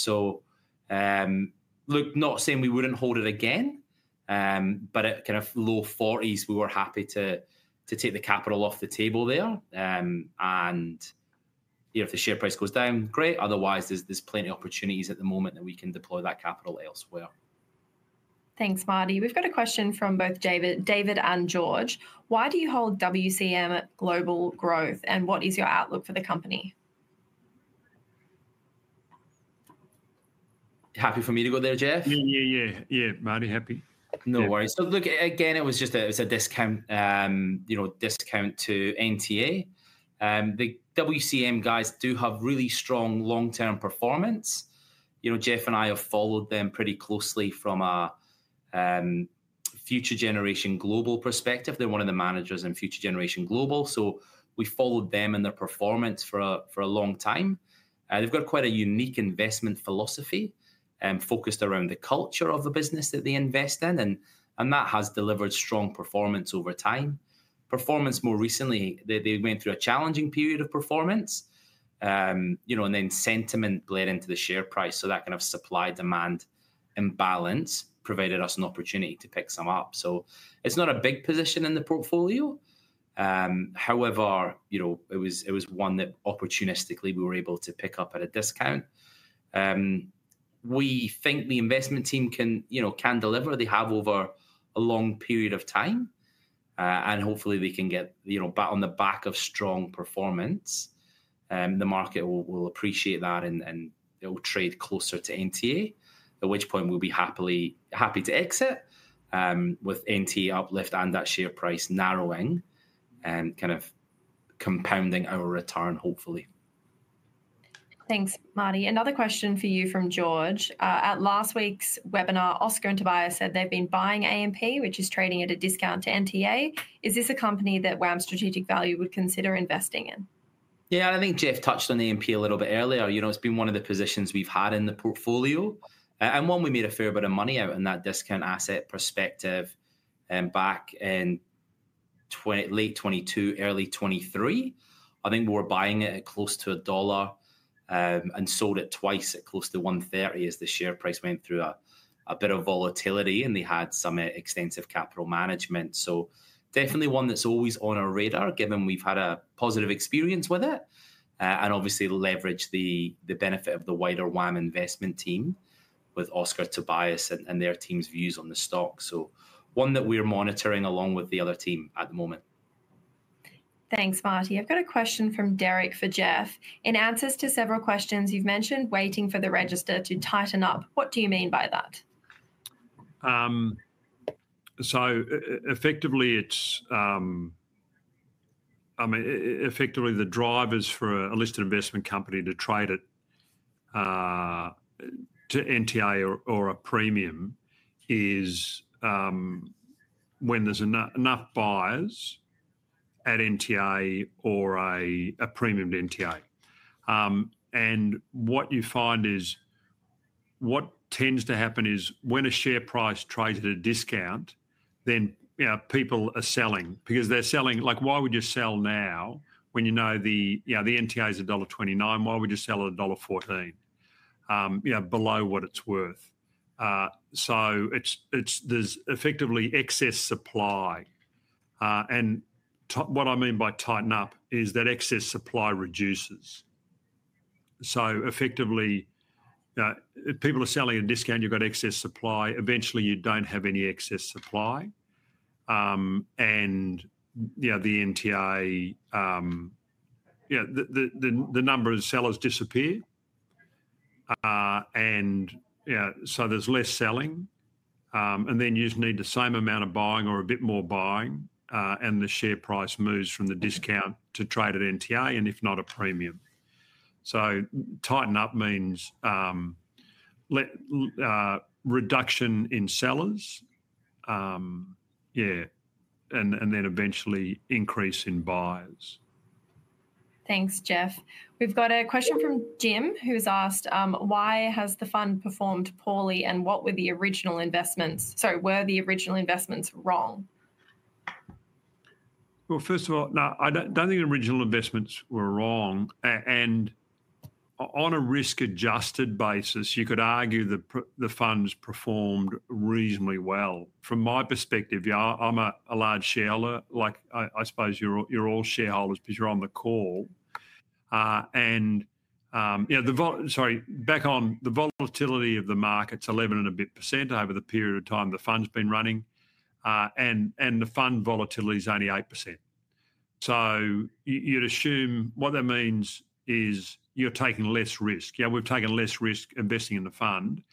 S3: Look, not saying we wouldn't hold it again, but at kind of low 40s, we were happy to take the capital off the table there. If the share price goes down, great. Otherwise, there's plenty of opportunities at the moment that we can deploy that capital elsewhere.
S2: Thanks, Martyn. We've got a question from both David and George. "Why do you hold WCM Global Growth, and what is your outlook for the company?
S3: Happy for me to go there, Geoff?
S1: Yeah, yeah. Yeah, Martyn, happy.
S3: No worries. Look, again, it was just a discount to NTA. The WCM guys do have really strong long-term performance. Geoff and I have followed them pretty closely from a Future Generation Global perspective. They're one of the managers in Future Generation Global. We followed them and their performance for a long time. They've got quite a unique investment philosophy focused around the culture of the business that they invest in. That has delivered strong performance over time. Performance more recently, they went through a challenging period of performance. Sentiment bled into the share price. That kind of supply-demand imbalance provided us an opportunity to pick some up. It's not a big position in the portfolio. However, it was one that opportunistically we were able to pick up at a discount. We think the investment team can deliver. They have over a long period of time. Hopefully, they can get back on the back of strong performance. The market will appreciate that, and it will trade closer to NTA, at which point we'll be happy to exit with NTA uplift and that share price narrowing and kind of compounding our return, hopefully.
S2: Thanks, Martyn. Another question for you from George. "At last week's webinar, Oscar and Tobias said they've been buying AMP, which is trading at a discount to NTA. Is this a company that WAM Strategic Value would consider investing in?
S3: Yeah, I think Geoff touched on AMP a little bit earlier. It's been one of the positions we've had in the portfolio. And one, we made a fair bit of money out in that discount asset perspective back in late 2022, early 2023. I think we were buying it at close to $ 1 and sold it twice at close to $ 1.30 as the share price went through a bit of volatility. And they had some extensive capital management. Definitely one that's always on our radar, given we've had a positive experience with it. Obviously, leverage the benefit of the wider WAM investment team with Oscar Tobias and their team's views on the stock. One that we're monitoring along with the other team at the moment.
S2: Thanks, Martyn. I've got a question from Derek for Geoff. "In answers to several questions, you've mentioned waiting for the register to tighten up. What do you mean by that?
S1: Effectively, the drivers for a listed investment company to trade at NTA or a premium is when there are enough buyers at NTA or a premium to NTA. What you find is what tends to happen is when a share price trades at a discount, then people are selling because they are selling. Why would you sell now when you know the NTA is $ 1.29? Why would you sell at $ 1.14 below what it is worth? There is effectively excess supply. What I mean by tighten up is that excess supply reduces. Effectively, if people are selling at a discount, you have got excess supply. Eventually, you do not have any excess supply, and the NTA, the number of sellers disappears. There is less selling, and then you just need the same amount of buying or a bit more buying. The share price moves from the discount to trade at NTA and if not a premium. Tighten up means reduction in sellers, yeah, and then eventually increase in buyers.
S2: Thanks, Geoff. We've got a question from Jim who's asked, "Why has the fund performed poorly and what were the original investments?" Sorry, "Were the original investments wrong?
S1: No, I don't think the original investments were wrong. On a risk-adjusted basis, you could argue the funds performed reasonably well. From my perspective, I'm a large shareholder. I suppose you're all shareholders because you're on the call. Sorry, back on the volatility of the market, it's 11% and a bit over the period of time the fund's been running. The fund volatility is only 8%. You'd assume what that means is you're taking less risk. Yeah, we've taken less risk investing in the fund.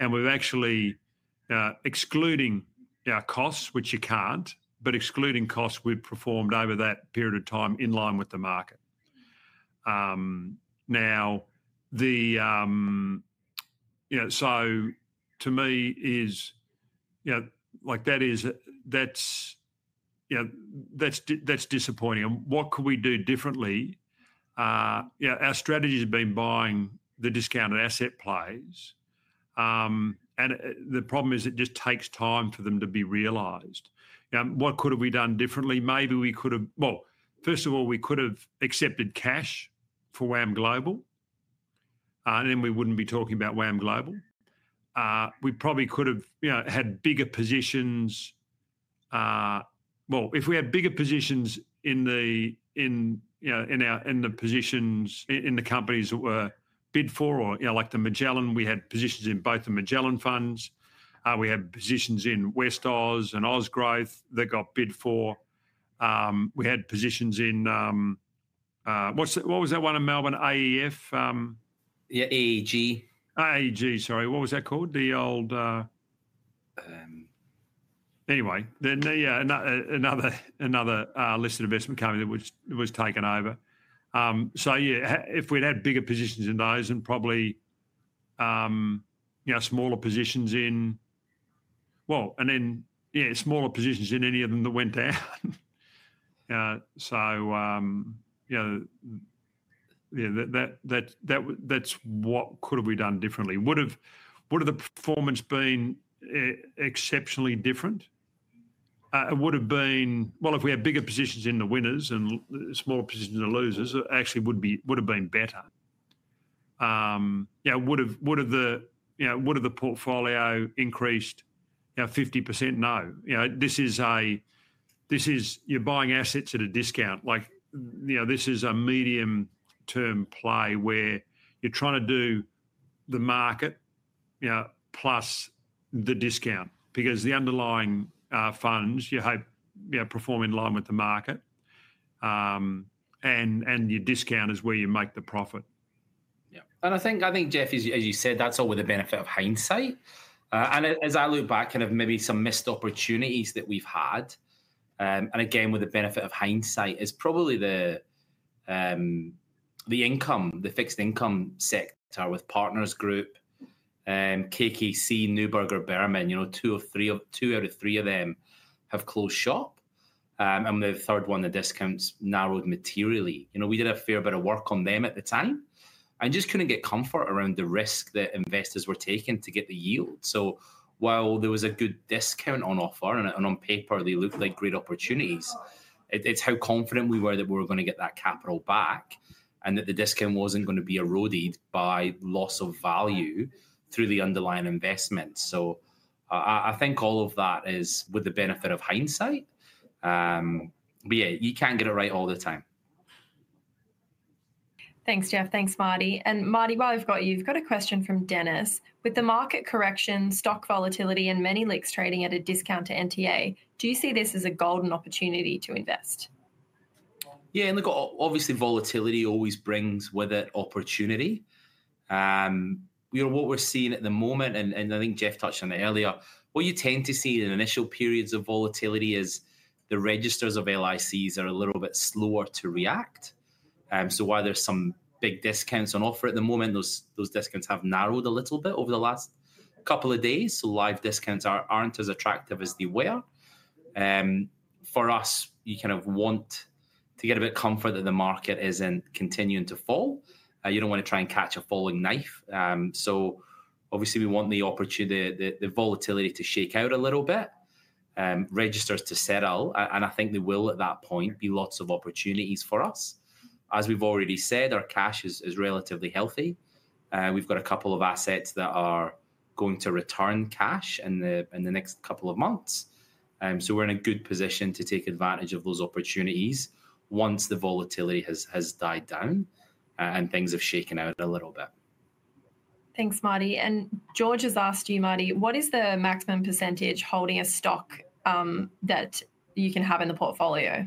S1: Actually, excluding our costs, which you can't, but excluding costs we've performed over that period of time in line with the market. To me, that's disappointing. What could we do differently? Our strategy has been buying the discounted asset plays. The problem is it just takes time for them to be realized. What could have we done differently? Maybe we could have, first of all, we could have accepted cash for WAM Global, and then we would not be talking about WAM Global. We probably could have had bigger positions. If we had bigger positions in the positions, in the companies that were bid for, like Magellan, we had positions in both the Magellan funds. We had positions in West Oz and Osgrowth that got bid for. We had positions in, what was that one in Melbourne, AEF?
S3: Yeah, AEG.
S1: AEG, sorry. What was that called? The old, anyway, then another listed investment company that was taken over. If we'd had bigger positions in those and probably smaller positions in, well, and then, yeah, smaller positions in any of them that went down. That's what could have we done differently? Would have the performance been exceptionally different? It would have been, if we had bigger positions in the winners and smaller positions in the losers, it actually would have been better. Would have the portfolio increased 50%? No. This is you're buying assets at a discount. This is a medium-term play where you're trying to do the market plus the discount because the underlying funds, you hope perform in line with the market. Your discount is where you make the profit.
S3: Yeah. I think, Geoff, as you said, that's all with the benefit of hindsight. As I look back, kind of maybe some missed opportunities that we've had. Again, with the benefit of hindsight is probably the income, the fixed income sector with Partners Group, KKC, Neuberger Berman, two out of three of them have closed shop. The third one, the discount's narrowed materially. We did a fair bit of work on them at the time and just couldn't get comfort around the risk that investors were taking to get the yield. While there was a good discount on offer, and on paper, they looked like great opportunities, it's how confident we were that we were going to get that capital back and that the discount wasn't going to be eroded by loss of value through the underlying investment. I think all of that is with the benefit of hindsight. Yeah, you can't get it right all the time.
S2: Thanks, Geoff. Thanks, Martyn. Martyn, while I've got you, we've got a question from Dennis. "With the market correction, stock volatility, and many LICs trading at a discount to NTA, do you see this as a golden opportunity to invest?
S3: Yeah. Look, obviously, volatility always brings with it opportunity. What we're seeing at the moment, and I think Geoff touched on it earlier, what you tend to see in initial periods of volatility is the registers of LICs are a little bit slower to react. While there's some big discounts on offer at the moment, those discounts have narrowed a little bit over the last couple of days. Live discounts are not as attractive as they were. For us, you kind of want to get a bit of comfort that the market is not continuing to fall. You do not want to try and catch a falling knife. Obviously, we want the volatility to shake out a little bit, registers to settle. I think there will at that point be lots of opportunities for us. As we've already said, our cash is relatively healthy. We've got a couple of assets that are going to return cash in the next couple of months. We are in a good position to take advantage of those opportunities once the volatility has died down and things have shaken out a little bit.
S2: Thanks, Martyn. George has asked you, Martyn, what is the maximum percentage holding a stock that you can have in the portfolio?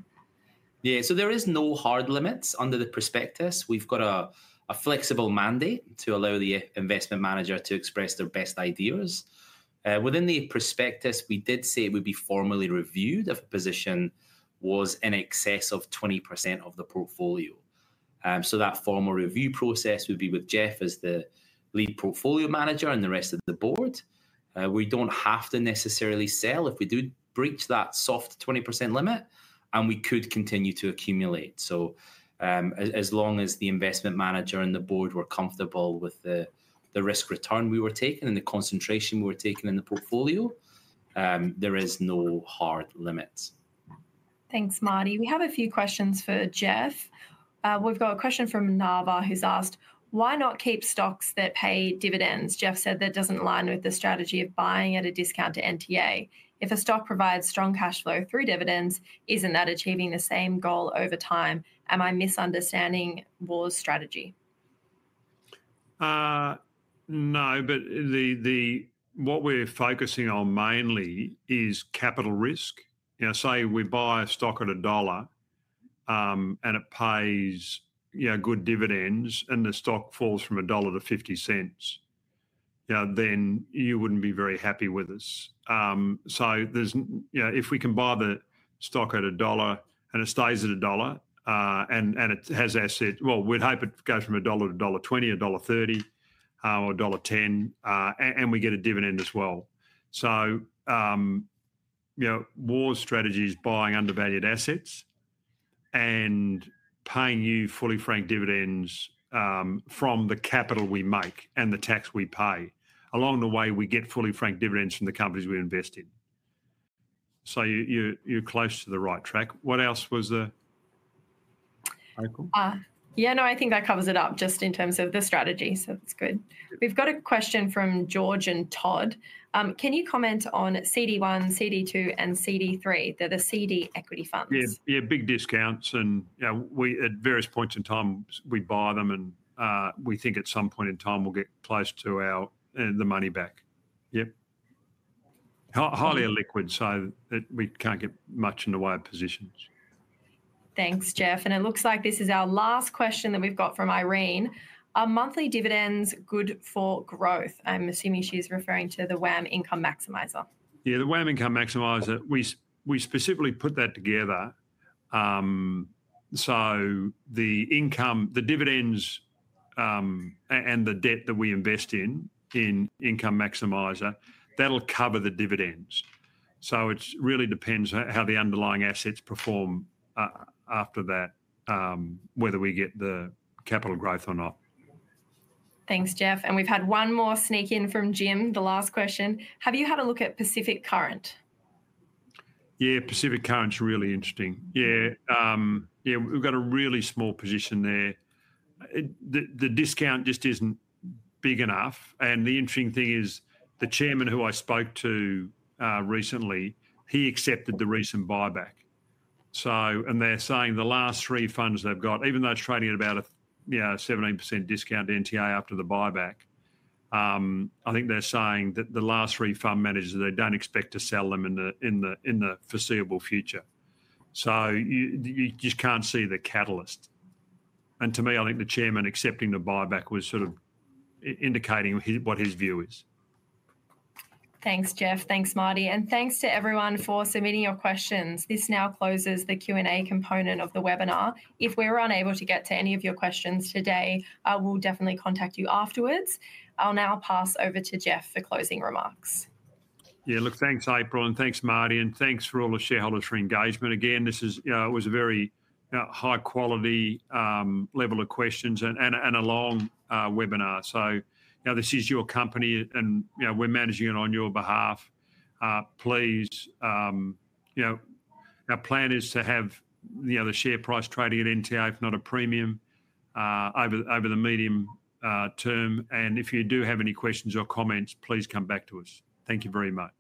S3: Yeah. There is no hard limits under the prospectus. We've got a flexible mandate to allow the investment manager to express their best ideas. Within the prospectus, we did say it would be formally reviewed if a position was in excess of 20% of the portfolio. That formal review process would be with Geoff as the lead portfolio manager and the rest of the board. We do not have to necessarily sell if we do breach that soft 20% limit, and we could continue to accumulate. As long as the investment manager and the board were comfortable with the risk-return we were taking and the concentration we were taking in the portfolio, there is no hard limit.
S2: Thanks, Martyn. We have a few questions for Geoff. We've got a question from Narva who's asked, "Why not keep stocks that pay dividends?" Geoff said that doesn't align with the strategy of buying at a discount to NTA. If a stock provides strong cash flow through dividends, isn't that achieving the same goal over time? Am I misunderstanding WAM's strategy?
S1: No, but what we're focusing on mainly is capital risk. Say we buy a stock at $1 and it pays good dividends and the stock falls from $1 to $0.50, then you wouldn't be very happy with us. If we can buy the stock at $1 and it stays at $1 and it has assets, we'd hope it goes from $1 to $1.20, $1.30, or $1.10, and we get a dividend as well. WAM's strategy is buying undervalued assets and paying you fully franked dividends from the capital we make and the tax we pay. Along the way, we get fully franked dividends from the companies we invest in. You're close to the right track. What else was the?
S2: Yeah, no, I think that covers it up just in terms of the strategy, so that's good. We've got a question from George and Todd. "Can you comment on CD1, CD2, and CD3? They're the CD equity funds.
S1: Yeah, big discounts. At various points in time, we buy them and we think at some point in time we'll get close to the money back. Yep. Highly illiquid, so we can't get much in the way of positions.
S2: Thanks, Geoff. It looks like this is our last question that we've got from Irene. "Are monthly dividends good for growth?" I'm assuming she's referring to the WAM Income Maximizer.
S1: Yeah, the WAM Income Maximizer, we specifically put that together. The dividends and the debt that we invest in, in Income Maximizer, that'll cover the dividends. It really depends how the underlying assets perform after that, whether we get the capital growth or not.
S2: Thanks, Geoff. We've had one more sneak in from Jim, the last question. "Have you had a look at Pacific Current?
S1: Yeah, Pacific Current's really interesting. Yeah. We've got a really small position there. The discount just isn't big enough. The interesting thing is the chairman who I spoke to recently, he accepted the recent buyback. They're saying the last three funds they've got, even though it's trading at about a 17% discount to NTA after the buyback, I think they're saying that the last three fund managers, they don't expect to sell them in the foreseeable future. You just can't see the catalyst. To me, I think the chairman accepting the buyback was sort of indicating what his view is.
S2: Thanks, Geoff. Thanks, Martyn. Thanks to everyone for submitting your questions. This now closes the Q&A component of the webinar. If we're unable to get to any of your questions today, I will definitely contact you afterwards. I'll now pass over to Geoff for closing remarks.
S1: Yeah, look, thanks, April, and thanks, Martyn. And thanks for all the shareholders for engagement. Again, this was a very high-quality level of questions and a long webinar. This is your company and we're managing it on your behalf. Please, our plan is to have the share price trading at NTA, if not a premium, over the medium term. If you do have any questions or comments, please come back to us. Thank you very much.